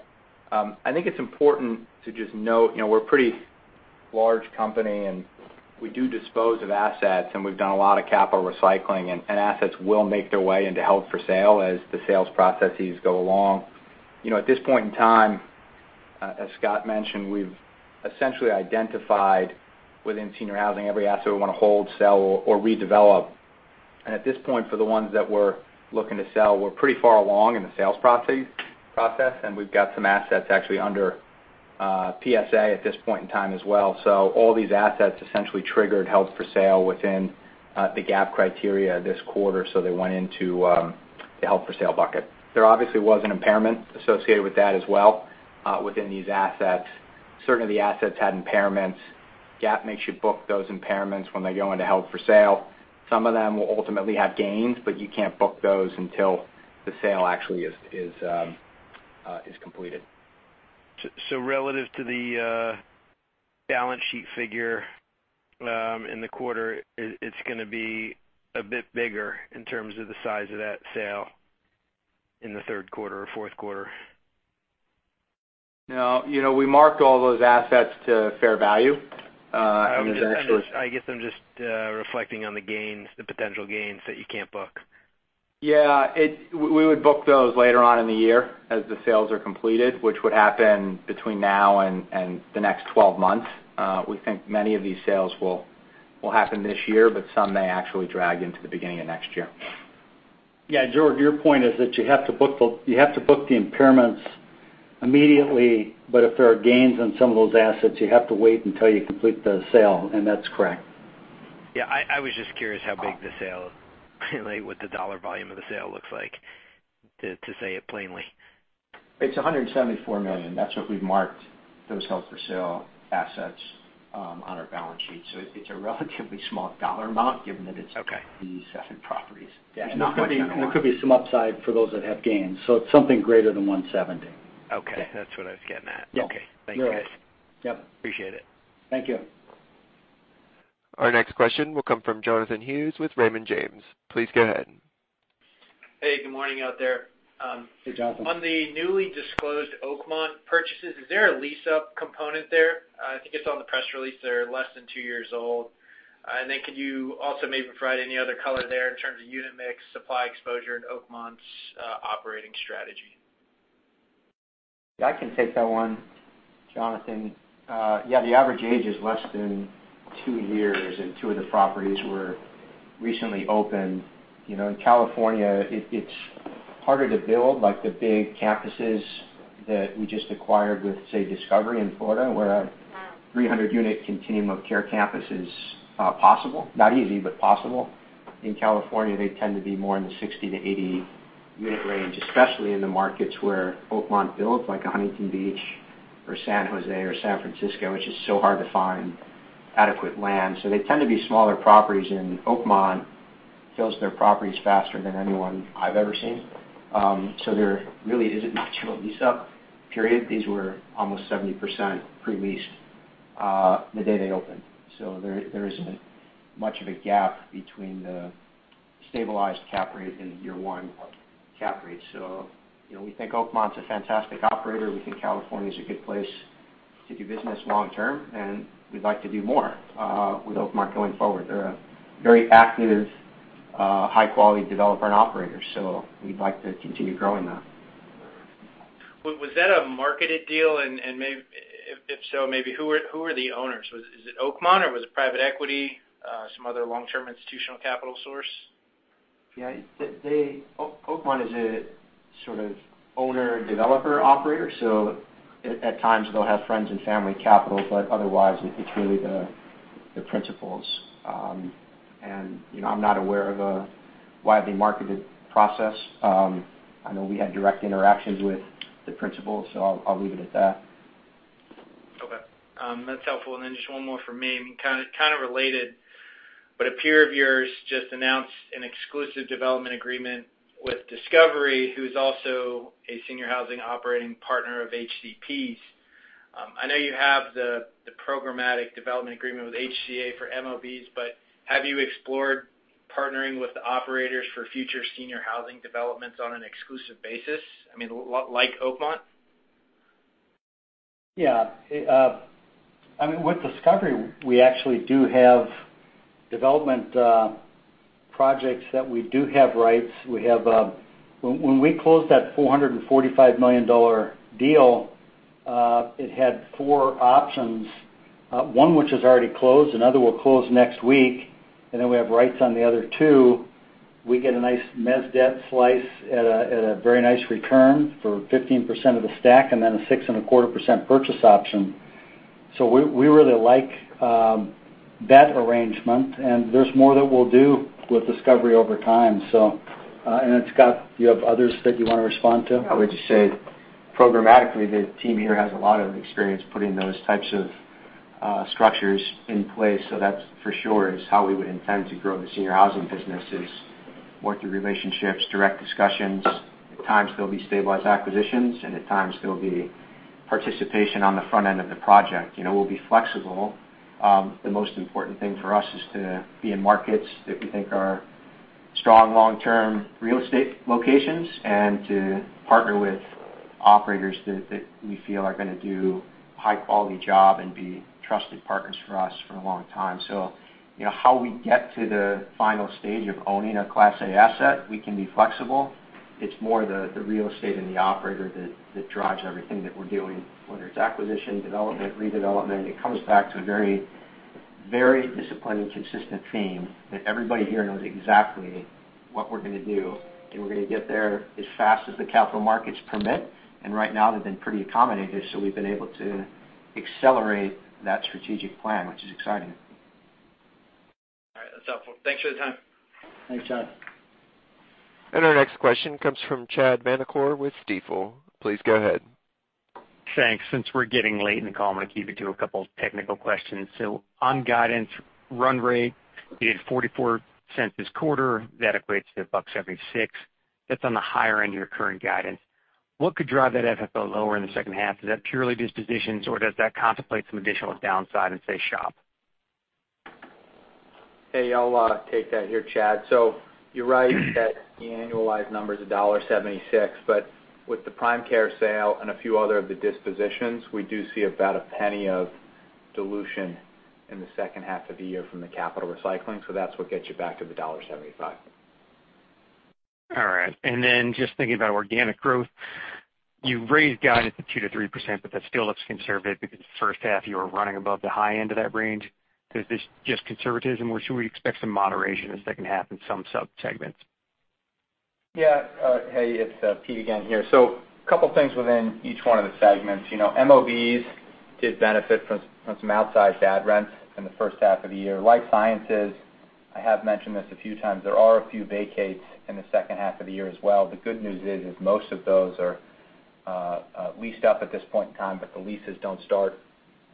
I think it's important to just note, we're a pretty large company, and we do dispose of assets, and we've done a lot of capital recycling, and assets will make their way into held for sale as the sales processes go along. At this point in time, as Scott mentioned, we've essentially identified within senior housing every asset we want to hold, sell, or redevelop. At this point, for the ones that we're looking to sell, we're pretty far along in the sales process, and we've got some assets actually under PSA at this point in time as well. All these assets essentially triggered held for sale within the GAAP criteria this quarter, so they went into the held for sale bucket. There obviously was an impairment associated with that as well, within these assets. Certainly, the assets had impairments. GAAP makes you book those impairments when they go into held for sale. Some of them will ultimately have gains, but you can't book those until the sale actually is completed. Relative to the balance sheet figure in the quarter, it's going to be a bit bigger in terms of the size of that sale in the third quarter or fourth quarter? No. We marked all those assets to fair value. I guess I'm just reflecting on the gains, the potential gains that you can't book. Yeah. We would book those later on in the year as the sales are completed, which would happen between now and the next 12 months. We think many of these sales will happen this year, but some may actually drag into the beginning of next year. Jordan, your point is that you have to book the impairments immediately, but if there are gains on some of those assets, you have to wait until you complete the sale, and that's correct. Yeah, I was just curious how big the sale, what the dollar volume of the sale looks like, to say it plainly. It's $174 million. That's what we've marked those held for sale assets on our balance sheet. It's a relatively small dollar amount, given that it's- Okay... these 27 properties. There could be some upside for those that have gains, so it's something greater than $170 million. Okay. That's what I was getting at. Yeah. Okay. Thank you, guys. Appreciate it. Thank you. Our next question will come from Jonathan Hughes with Raymond James. Please go ahead. Hey, good morning out there. Hey, Jonathan. On the newly disclosed Oakmont purchases, is there a lease-up component there? I think it's on the press release. They're less than two years old. Then could you also maybe provide any other color there in terms of unit mix, supply exposure in Oakmont's operating strategy? Yeah, I can take that one, Jonathan. Yeah, the average age is less than two years, and two of the properties were recently opened. In California, it's harder to build the big campuses that we just acquired with, say, Discovery in Florida, where a 300-unit continuum of care campus is possible. Not easy, possible. In California, they tend to be more in the 60-80 unit range, especially in the markets where Oakmont builds, like a Huntington Beach or San Jose or San Francisco, which is so hard to find adequate land. They tend to be smaller properties, and Oakmont fills their properties faster than anyone I've ever seen. There really isn't much of a lease-up period. These were almost 70% pre-leased the day they opened. There isn't much of a gap between the stabilized cap rate and the year one cap rate. We think Oakmont's a fantastic operator. We think California's a good place to do business long term, and we'd like to do more with Oakmont going forward. They're a very active high-quality developer and operator. We'd like to continue growing that. Was that a marketed deal, and if so, maybe who are the owners? Is it Oakmont, or was it private equity, some other long-term institutional capital source? Yeah. Oakmont is a sort of owner/developer operator, so at times they'll have friends and family capital, but otherwise, it's really the principals. I'm not aware of a widely marketed process. I know we had direct interactions with the principals, so I'll leave it at that. That's helpful. Just one more from me, kind of related, but a peer of yours just announced an exclusive development agreement with Discovery, who's also a senior housing operating partner of HCP's. I know you have the programmatic development agreement with HCA for MOBs, but have you explored partnering with the operators for future senior housing developments on an exclusive basis, like Oakmont? With Discovery, we actually do have development projects that we do have rights. When we closed that $445 million deal, it had four options. One which is already closed, another will close next week, and then we have rights on the other two. We get a nice mez debt slice at a very nice return for 15% of the stack, and then a 6.25% purchase option. We really like that arrangement, and there's more that we'll do with Discovery over time. Do you have others that you want to respond to? I would just say programmatically, the team here has a lot of experience putting those types of structures in place. That, for sure, is how we would intend to grow the senior housing business is work through relationships, direct discussions. At times, there'll be stabilized acquisitions, and at times there'll be participation on the front end of the project. We'll be flexible. The most important thing for us is to be in markets that we think are strong long-term real estate locations, and to partner with operators that we feel are going to do high-quality job and be trusted partners for us for a long time. How we get to the final stage of owning a Class A asset, we can be flexible. It's more the real estate and the operator that drives everything that we're doing, whether it's acquisition, development, redevelopment. It comes back to a very disciplined and consistent team, that everybody here knows exactly what we're going to do, and we're going to get there as fast as the capital markets permit. Right now, they've been pretty accommodative, so we've been able to accelerate that strategic plan, which is exciting. All right. That's helpful. Thanks for the time. Thanks, John. Our next question comes from Chad Vanacore with Stifel. Please go ahead. Thanks. On guidance run rate, you did $0.44 this quarter. That equates to $1.76. That's on the higher end of your current guidance. What could drive that FFO lower in the second half? Is that purely dispositions, or does that contemplate some additional downside in, say, SHOP? Hey, I'll take that here, Chad. You're right that the annualized number is $1.76, but with the PrimeCare sale and a few other of the dispositions, we do see about a penny of dilution in the second half of the year from the capital recycling. That's what gets you back to the $1.75. All right. Just thinking about organic growth, you've raised guidance to 2%-3%, but that still looks conservative because the first half, you were running above the high end of that range. Is this just conservatism, or should we expect some moderation the second half in some sub-segments? Hey, it's Pete again here. A couple things within each one of the segments. MOBs did benefit from some outsized add rents in the first half of the year. Life sciences, I have mentioned this a few times, there are a few vacates in the second half of the year as well. The good news is most of those are leased up at this point in time, but the leases don't start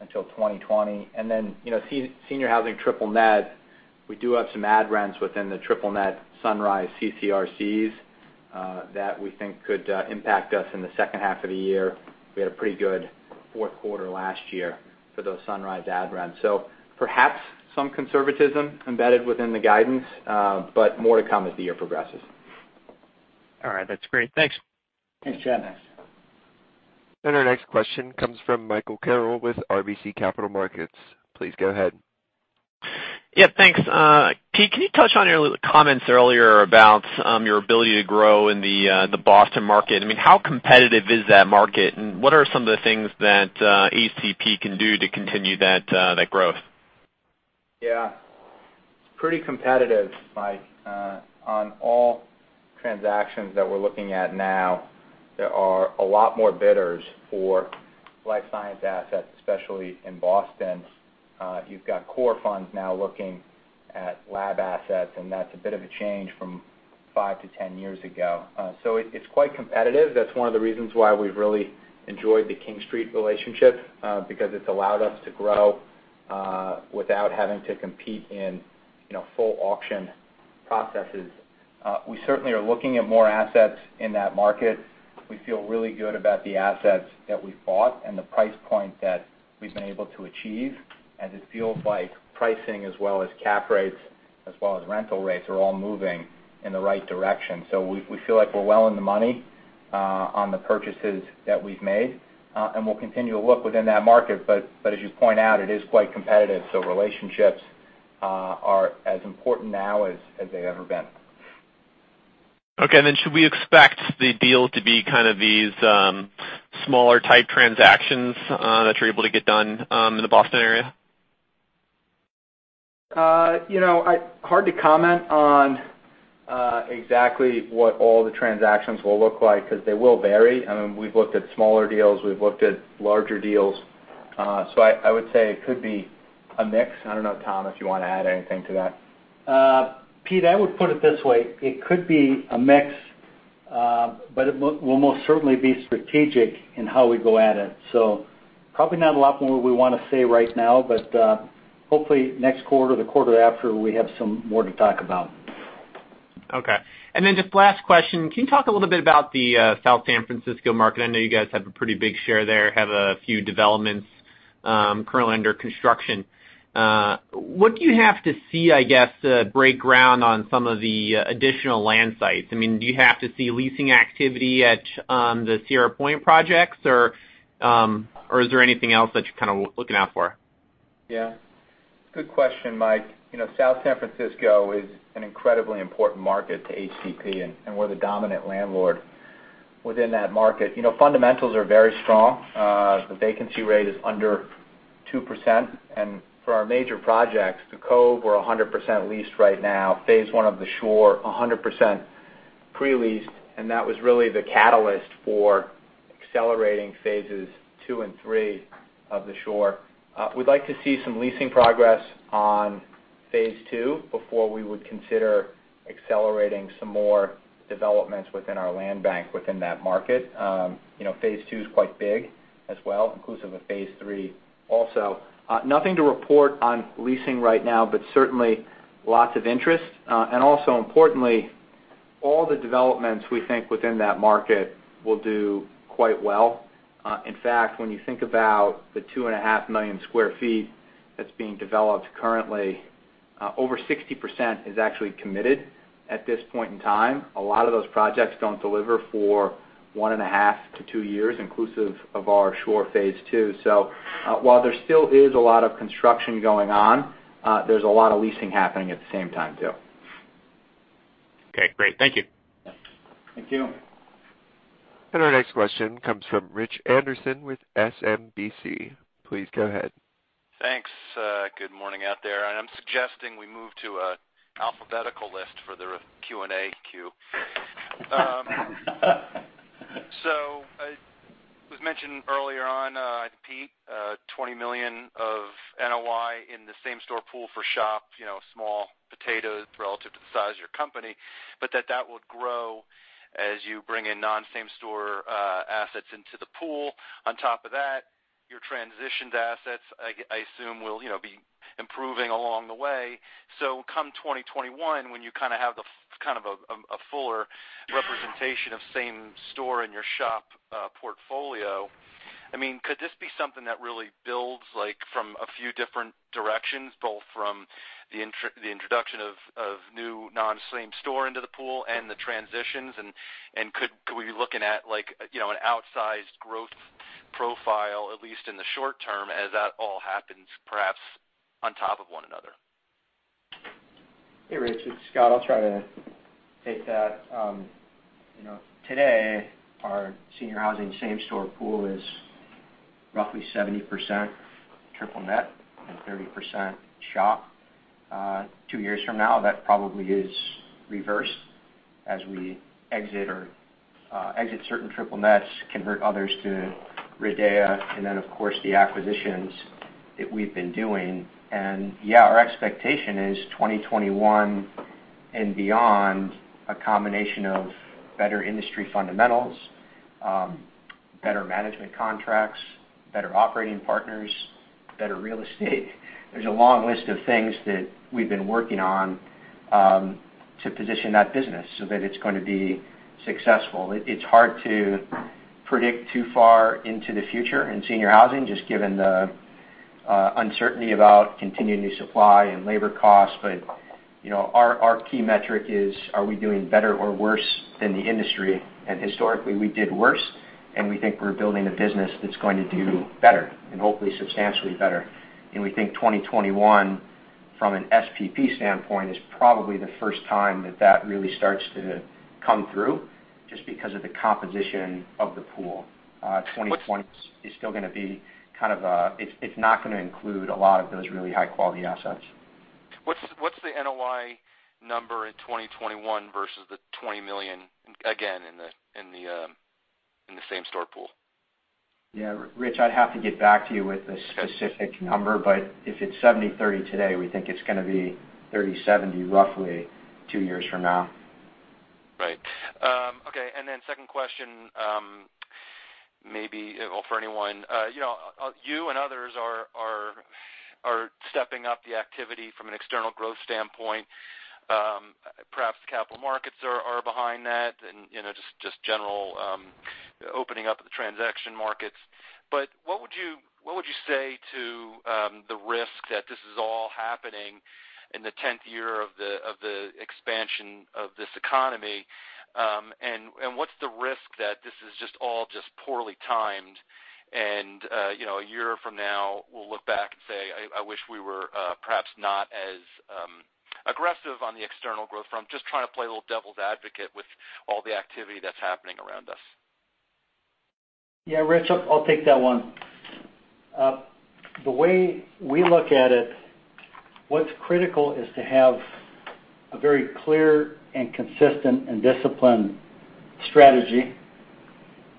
until 2020. Senior housing triple net, we do have some add rents within the triple net Sunrise CCRCs, that we think could impact us in the second half of the year. We had a pretty good fourth quarter last year for those Sunrise add rents. Perhaps some conservatism embedded within the guidance, but more to come as the year progresses. All right. That's great. Thanks. Thanks, Chad. Our next question comes from Michael Carroll with RBC Capital Markets. Please go ahead. Yeah, thanks. Pete, can you touch on your comments earlier about your ability to grow in the Boston market? How competitive is that market, and what are some of the things that HCP can do to continue that growth? Yeah. It's pretty competitive, Mike. On all transactions that we're looking at now, there are a lot more bidders for life science assets, especially in Boston. You've got core funds now looking at lab assets, that's a bit of a change from five to 10 years ago. It's quite competitive. That's one of the reasons why we've really enjoyed the King Street relationship, because it's allowed us to grow without having to compete in full auction processes. We certainly are looking at more assets in that market. We feel really good about the assets that we've bought and the price point that we've been able to achieve, it feels like pricing as well as cap rates, as well as rental rates, are all moving in the right direction. We feel like we're well in the money on the purchases that we've made, and we'll continue to look within that market. As you point out, it is quite competitive, so relationships are as important now as they've ever been. Okay. Then should we expect the deals to be kind of these smaller type transactions that you're able to get done in the Boston area? Hard to comment on exactly what all the transactions will look like, because they will vary. We've looked at smaller deals, we've looked at larger deals. I would say it could be a mix. I don't know, Tom, if you want to add anything to that. Pete, I would put it this way. It could be a mix. We'll most certainly be strategic in how we go at it. Probably not a lot more we want to say right now, but hopefully next quarter, the quarter after, we have some more to talk about. Okay. Just last question, can you talk a little bit about the South San Francisco market? I know you guys have a pretty big share there, have a few developments currently under construction. What do you have to see, I guess, to break ground on some of the additional land sites? Do you have to see leasing activity at the Sierra Point projects, or is there anything else that you're kind of looking out for? Good question, Mike. South San Francisco is an incredibly important market to HCP, we're the dominant landlord within that market. Fundamentals are very strong. The vacancy rate is under 2%. For our major projects, The Cove, we're 100% leased right now. Phase I of The Shore, 100% pre-leased. That was really the catalyst for accelerating phases II and III of The Shore. We'd like to see some leasing progress on phase II before we would consider accelerating some more developments within our land bank within that market. Phase II's quite big as well, inclusive of phase III also. Nothing to report on leasing right now, but certainly lots of interest. Also importantly, all the developments we think within that market will do quite well. In fact, when you think about the 2.5 million sq ft that's being developed currently, over 60% is actually committed at this point in time. A lot of those projects don't deliver for one and a half to two years, inclusive of our Shore phase II. While there still is a lot of construction going on, there's a lot of leasing happening at the same time, too. Okay, great. Thank you. Yeah. Thank you. Our next question comes from Rich Anderson with SMBC. Please go ahead. Thanks. Good morning out there. I'm suggesting we move to a alphabetical list for the Q&A queue. It was mentioned earlier on, Pete, $20 million of NOI in the same-store pool for SHOP. Small potatoes relative to the size of your company, but that would grow as you bring in non-same store assets into the pool. On top of that, your transitioned assets, I assume, will be improving along the way. Come 2021, when you have kind of a fuller representation of same-store in your SHOP portfolio, could this be something that really builds from a few different directions, both from the introduction of new non-same store into the pool and the transitions? Could we be looking at an outsized growth profile, at least in the short term, as that all happens, perhaps on top of one another? Hey, Rich, it's Scott. I'll try to take that. Today, our senior housing same-store pool is roughly 70% triple net and 30% SHOP. Two years from now, that probably is reversed as we exit certain triple nets, convert others to RIDEA, and then, of course, the acquisitions that we've been doing. Yeah, our expectation is 2021 and beyond, a combination of better industry fundamentals, better management contracts, better operating partners, better real estate. There's a long list of things that we've been working on to position that business so that it's going to be successful. It's hard to predict too far into the future in senior housing, just given the uncertainty about continuing the supply and labor costs. Our key metric is, are we doing better or worse than the industry? Historically, we did worse, and we think we're building a business that's going to do better, and hopefully substantially better. We think 2021, from an SPP standpoint, is probably the first time that that really starts to come through, just because of the composition of the pool. 2020 is still going to be. It's not going to include a lot of those really high-quality assets. What's the NOI number in 2021 versus the $20 million, again, in the same-store pool? Yeah, Rich, I'd have to get back to you with the specific number, but if it's 70/30 today, we think it's going to be 30/70 roughly two years from now. Right. Okay, second question, maybe for anyone. You and others are stepping up the activity from an external growth standpoint. Perhaps the capital markets are behind that, and just general opening up of the transaction markets. What would you say to the risk that this is all happening in the 10th year of the expansion of this economy? What's the risk that this is just all just poorly timed and a year from now, we'll look back and say, "I wish we were perhaps not as aggressive on the external growth front." Just trying to play a little devil's advocate with all the activity that's happening around us. Yeah, Rich, I'll take that one. The way we look at it, what's critical is to have a very clear and consistent and disciplined strategy.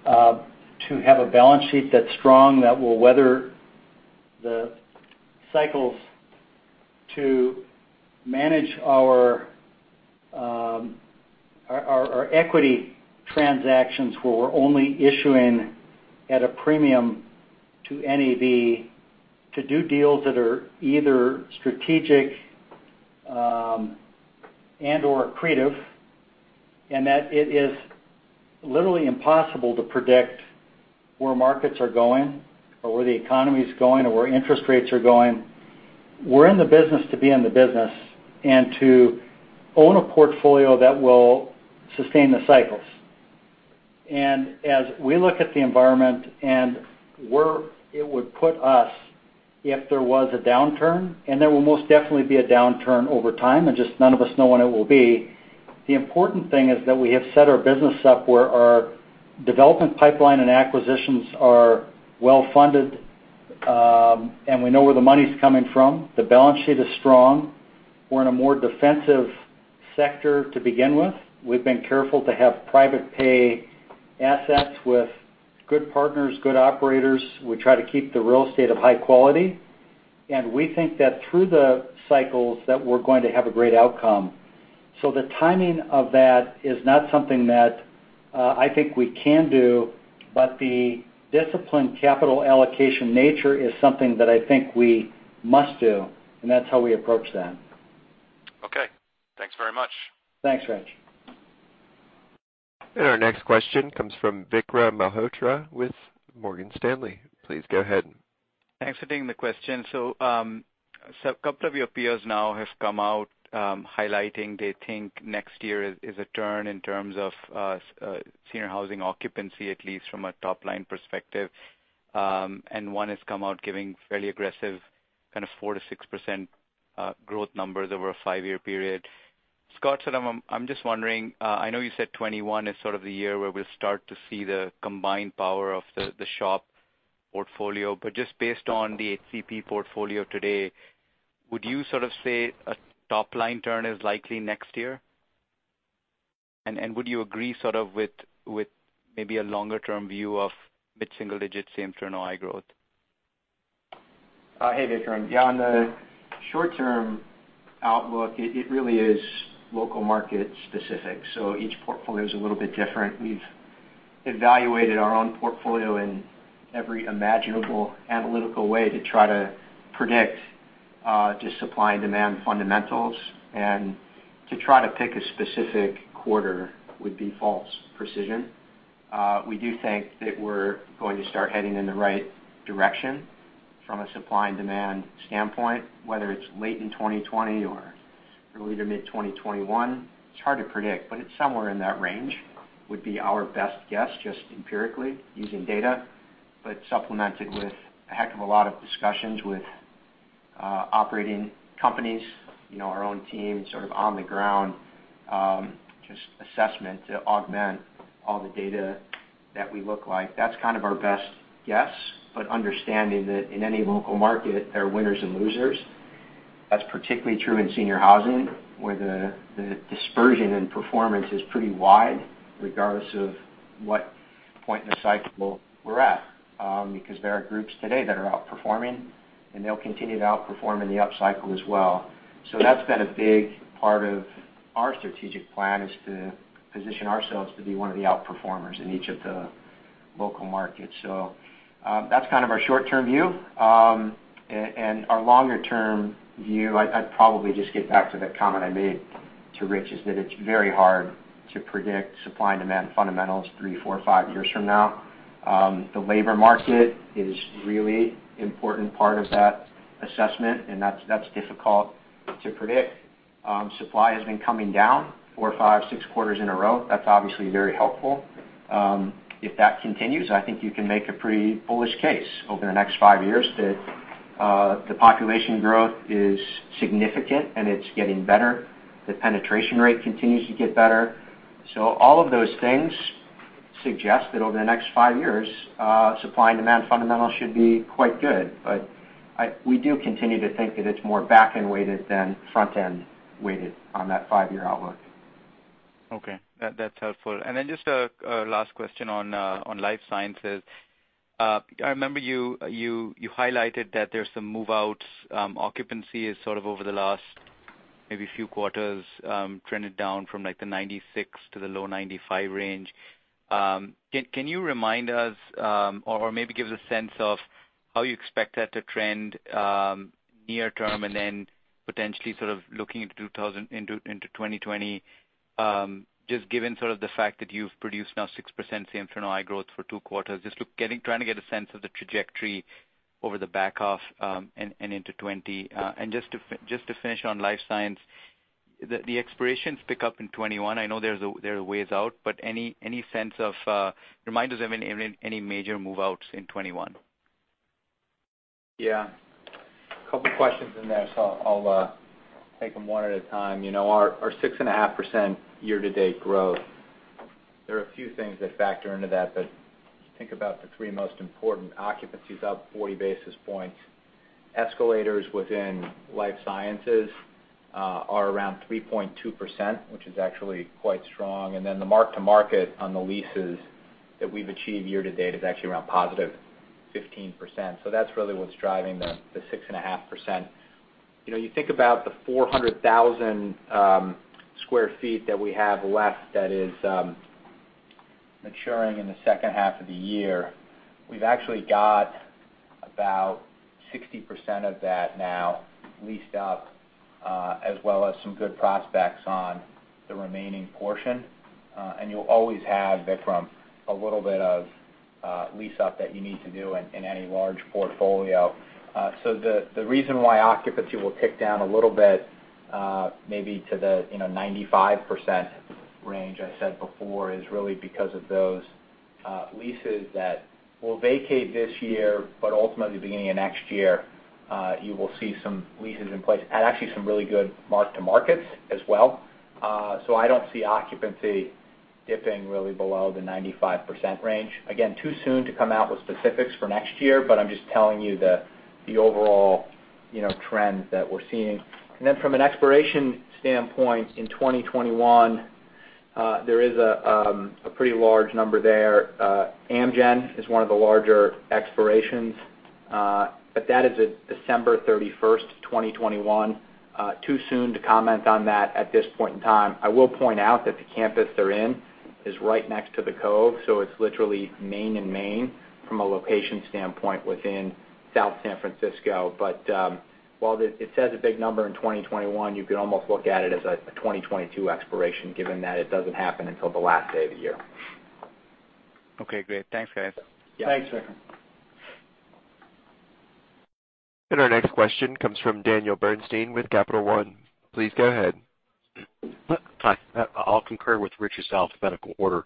To have a balance sheet that's strong, that will weather the cycles to manage our equity transactions, where we're only issuing at a premium to NAV, to do deals that are either strategic, and/or accretive, and that it is literally impossible to predict where markets are going, or where the economy's going, or where interest rates are going. We're in the business to be in the business, and to own a portfolio that will sustain the cycles. As we look at the environment and where it would put us if there was a downturn, and there will most definitely be a downturn over time, and just none of us know when it will be. The important thing is that we have set our business up where our development pipeline and acquisitions are well-funded, and we know where the money's coming from. The balance sheet is strong. We're in a more defensive sector to begin with. We've been careful to have private pay assets with good partners, good operators. We try to keep the real estate of high quality. We think that through the cycles, that we're going to have a great outcome. The timing of that is not something that I think we can do, but the discipline capital allocation nature is something that I think we must do, and that's how we approach that. Okay. Thanks very much. Thanks, Rich. Our next question comes from Vikram Malhotra with Morgan Stanley. Please go ahead. Thanks for taking the question. Scott, couple of your peers now have come out highlighting they think next year is a turn in terms of senior housing occupancy, at least from a top-line perspective. One has come out giving fairly aggressive kind of 4%-6% growth numbers over a five-year period. Scott, I'm just wondering, I know you said 2021 is sort of the year where we'll start to see the combined power of the SHOP portfolio, but just based on the HCP portfolio today, would you sort of say a top-line turn is likely next year? Would you agree sort of with maybe a longer-term view of mid-single digits same turn or high growth? Hey, Vikram. Yeah, on the short-term outlook, it really is local market specific, so each portfolio's a little bit different. We've evaluated our own portfolio in every imaginable analytical way to try to predict just supply and demand fundamentals. To try to pick a specific quarter would be false precision. We do think that we're going to start heading in the right direction from a supply and demand standpoint, whether it's late in 2020 or early to mid-2021. It's hard to predict, but it's somewhere in that range, would be our best guess, just empirically using data, but supplemented with a heck of a lot of discussions with operating companies, our own team sort of on the ground, just assessment to augment all the data that we look at. That's kind of our best guess, but understanding that in any local market, there are winners and losers. That's particularly true in senior housing, where the dispersion in performance is pretty wide, regardless of what point in the cycle we're at. There are groups today that are outperforming, and they'll continue to outperform in the upcycle as well. That's been a big part of our strategic plan, is to position ourselves to be one of the outperformers in each of the local markets. That's kind of our short-term view. Our longer-term view, I'd probably just get back to that comment I made to Rich, is that it's very hard to predict supply and demand fundamentals three, four, five years from now. The labor market is really important part of that assessment, and that's difficult to predict. Supply has been coming down four, five, six quarters in a row. That's obviously very helpful. If that continues, I think you can make a pretty bullish case over the next five years that the population growth is significant, and it's getting better. The penetration rate continues to get better. All of those things suggest that over the next five years, supply and demand fundamentals should be quite good. We do continue to think that it's more back-end weighted than front-end weighted on that five-year outlook. Okay. That's helpful. Just a last question on life sciences. I remember you highlighted that there's some move-outs. Occupancy is sort of over the last maybe few quarters, trended down from the 96% to the low 95% range. Can you remind us or maybe give us a sense of how you expect that to trend near term and then potentially sort of looking into 2020, just given sort of the fact that you've produced now 6% same internal growth for two quarters. Just trying to get a sense of the trajectory over the back half, and into 2020. Just to finish on life sciences, the expirations pick up in 2021. I know there are ways out, remind us of any major move-outs in 2021. Couple questions in there, I'll take them one at a time. Our 6.5% year-to-date growth, there are a few things that factor into that, but if you think about the three most important, occupancy's up 40 basis points. Escalators within life sciences are around 3.2%, which is actually quite strong. The mark-to-market on the leases that we've achieved year to date is actually around +15%. That's really what's driving the 6.5%. You think about the 400,000 sq ft that we have left that is maturing in the second half of the year. We've actually got about 60% of that now leased up, as well as some good prospects on the remaining portion. You'll always have, Vikram, a little bit of lease up that you need to do in any large portfolio. The reason why occupancy will tick down a little bit, maybe to the 95% range I said before, is really because of those leases that will vacate this year, but ultimately beginning of next year, you will see some leases in place. Actually some really good mark-to-markets as well. I don't see occupancy dipping really below the 95% range. Again, too soon to come out with specifics for next year, but I'm just telling you the overall trends that we're seeing. From an expiration standpoint, in 2021, there is a pretty large number there. Amgen is one of the larger expirations, but that is December 31st, 2021. Too soon to comment on that at this point in time. I will point out that the campus they're in is right next to The Cove, so it's literally Main and Main from a location standpoint within South San Francisco. While it says a big number in 2021, you could almost look at it as a 2022 expiration, given that it doesn't happen until the last day of the year. Okay, great. Thanks, guys. Thanks, Vik. Our next question comes from Daniel Bernstein with Capital One. Please go ahead. Hi. I'll concur with Rich's alphabetical order.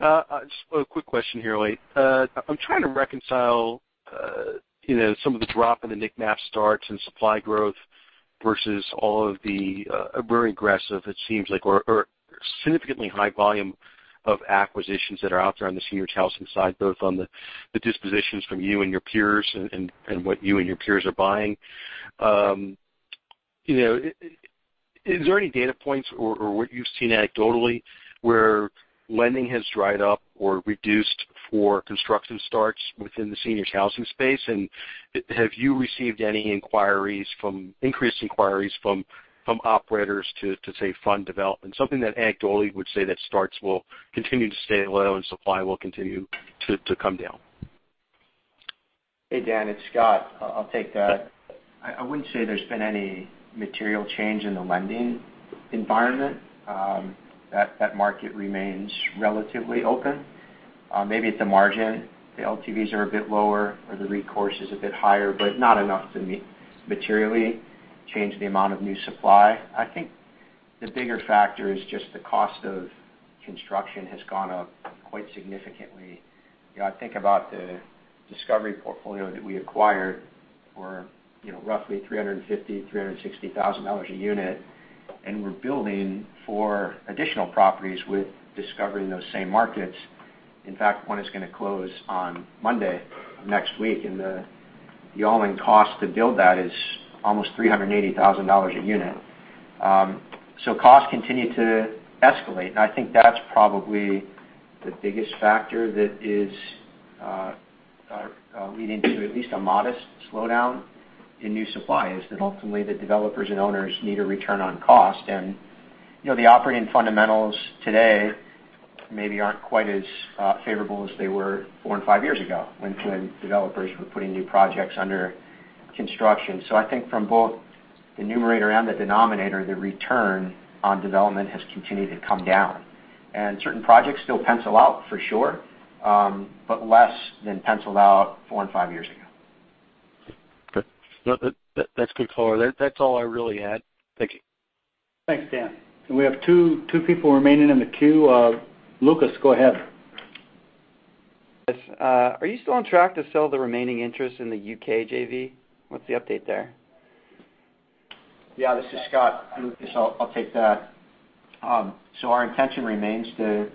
Just a quick question here. I'm trying to reconcile some of the drop in the NIC MAP starts and supply growth versus all of the very aggressive, it seems like, or significantly high volume of acquisitions that are out there on the seniors housing side, both on the dispositions from you and your peers, and what you and your peers are buying. Is there any data points or what you've seen anecdotally where lending has dried up or reduced for construction starts within the seniors housing space? Have you received any increased inquiries from operators to, say, fund development? Something that anecdotally would say that starts will continue to stay low and supply will continue to come down. Hey, Dan, it's Scott. I'll take that. I wouldn't say there's been any material change in the lending environment. That market remains relatively open. Maybe at the margin, the LTVs are a bit lower or the recourse is a bit higher, not enough to materially change the amount of new supply. I think the bigger factor is just the cost of construction has gone up quite significantly. Think about the Discovery portfolio that we acquired for roughly $350,000, $360,000 a unit. We're building four additional properties with Discovery in those same markets. In fact, one is going to close on Monday of next week. The all-in cost to build that is almost $380,000 a unit. Costs continue to escalate, and I think that's probably the biggest factor that is leading to at least a modest slowdown in new supply, is that ultimately the developers and owners need a return on cost. The operating fundamentals today maybe aren't quite as favorable as they were four and five years ago, when developers were putting new projects under construction. I think from both the numerator and the denominator, the return on development has continued to come down. Certain projects still pencil out, for sure, but less than penciled out four and five years ago. Okay. That's good color. That's all I really had. Thank you. Thanks, Dan. We have two people remaining in the queue. Lukas, go ahead. Are you still on track to sell the remaining interest in the U.K. JV? What's the update there? Yeah, this is Scott. Lukas, I'll take that. Our intention remains to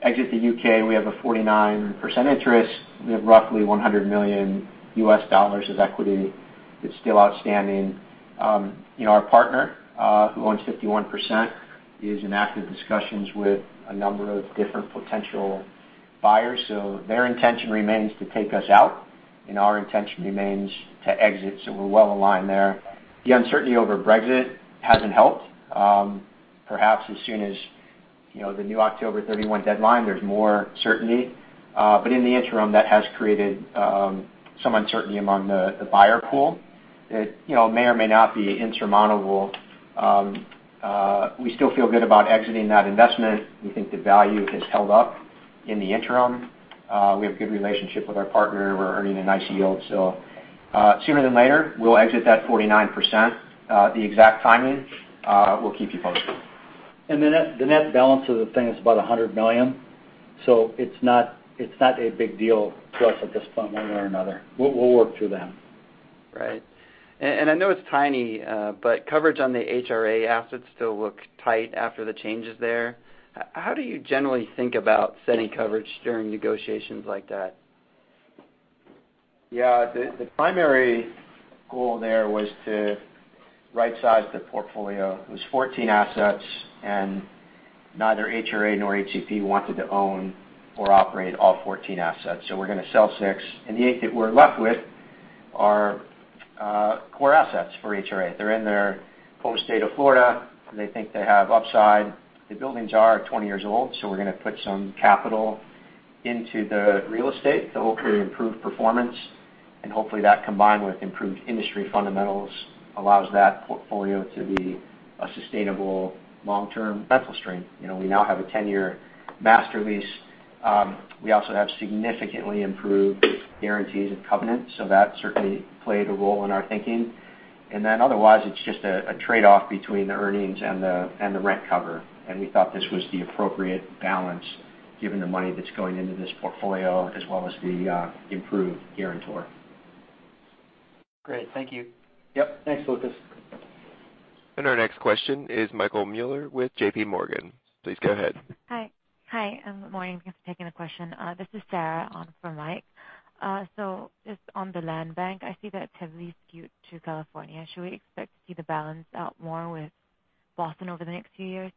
exit the U.K. We have a 49% interest. We have roughly $100 million of equity that's still outstanding. Our partner, who owns 51%, is in active discussions with a number of different potential buyers. Their intention remains to take us out, and our intention remains to exit. We're well-aligned there. The uncertainty over Brexit hasn't helped. Perhaps as soon as the new October 31 deadline, there's more certainty. In the interim, that has created some uncertainty among the buyer pool that may or may not be insurmountable. We still feel good about exiting that investment. We think the value has held up in the interim. We have a good relationship with our partner. Sooner than later, we'll exit that 49%. The exact timing, we'll keep you posted. The net balance of the thing is about $100 million. It's not a big deal to us at this point, one way or another. We'll work through that. Right. I know it's tiny, but coverage on the HRA assets still look tight after the changes there. How do you generally think about setting coverage during negotiations like that? Yeah. The primary goal there was to right-size the portfolio. It was 14 assets. Neither HRA nor HCP wanted to own or operate all 14 assets. We are going to sell six. The eight that we are left with are core assets for HRA. They are in their home state of Florida. They think they have upside. The buildings are 20 years old. We are going to put some capital into the real estate to hopefully improve performance. Hopefully, that, combined with improved industry fundamentals, allows that portfolio to be a sustainable long-term rental stream. We now have a 10-year master lease. We also have significantly improved guarantees and covenants. That certainly played a role in our thinking. Otherwise, it's just a trade-off between the earnings and the rent cover, and we thought this was the appropriate balance given the money that's going into this portfolio, as well as the improved guarantor. Great. Thank you. Yep. Thanks, Lukas. Our next question is Michael Mueller with J.P. Morgan. Please go ahead. Hi. Hi, and good morning. Thanks for taking the question. This is Sarah on for Mike. Just on the land bank, I see that it's heavily skewed to California. Should we expect to see the balance out more with Boston over the next few years?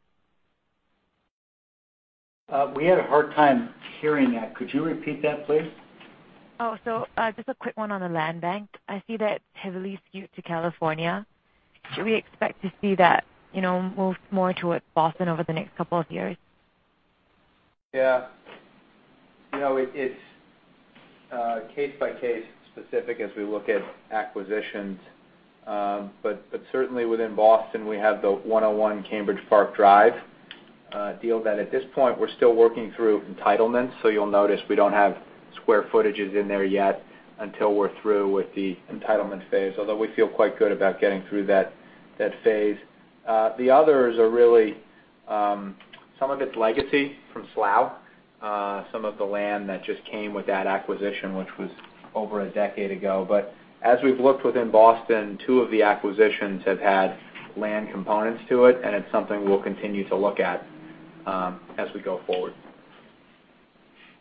We had a hard time hearing that. Could you repeat that, please? Just a quick one on the land bank. I see that it's heavily skewed to California. Should we expect to see that move more towards Boston over the next couple of years? Yeah. It's case-by-case specific as we look at acquisitions. Certainly within Boston, we have the 101 Cambridge Park Drive deal that at this point, we're still working through entitlements. You'll notice we don't have square footages in there yet until we're through with the entitlement phase, although we feel quite good about getting through that phase. The others are really, some of it's legacy from Slough, some of the land that just came with that acquisition, which was over a decade ago. As we've looked within Boston, two of the acquisitions have had land components to it, and it's something we'll continue to look at as we go forward.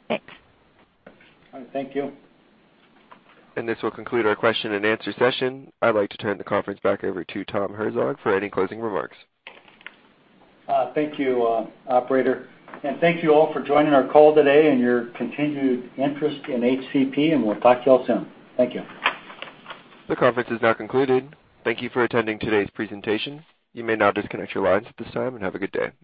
Thanks. All right. Thank you. This will conclude our question-and-answer session. I'd like to turn the conference back over to Tom Herzog for any closing remarks. Thank you, operator. Thank you all for joining our call today and your continued interest in HCP, and we'll talk to you all soon. Thank you. The conference is now concluded. Thank you for attending today's presentation. You may now disconnect your lines at this time, and have a good day.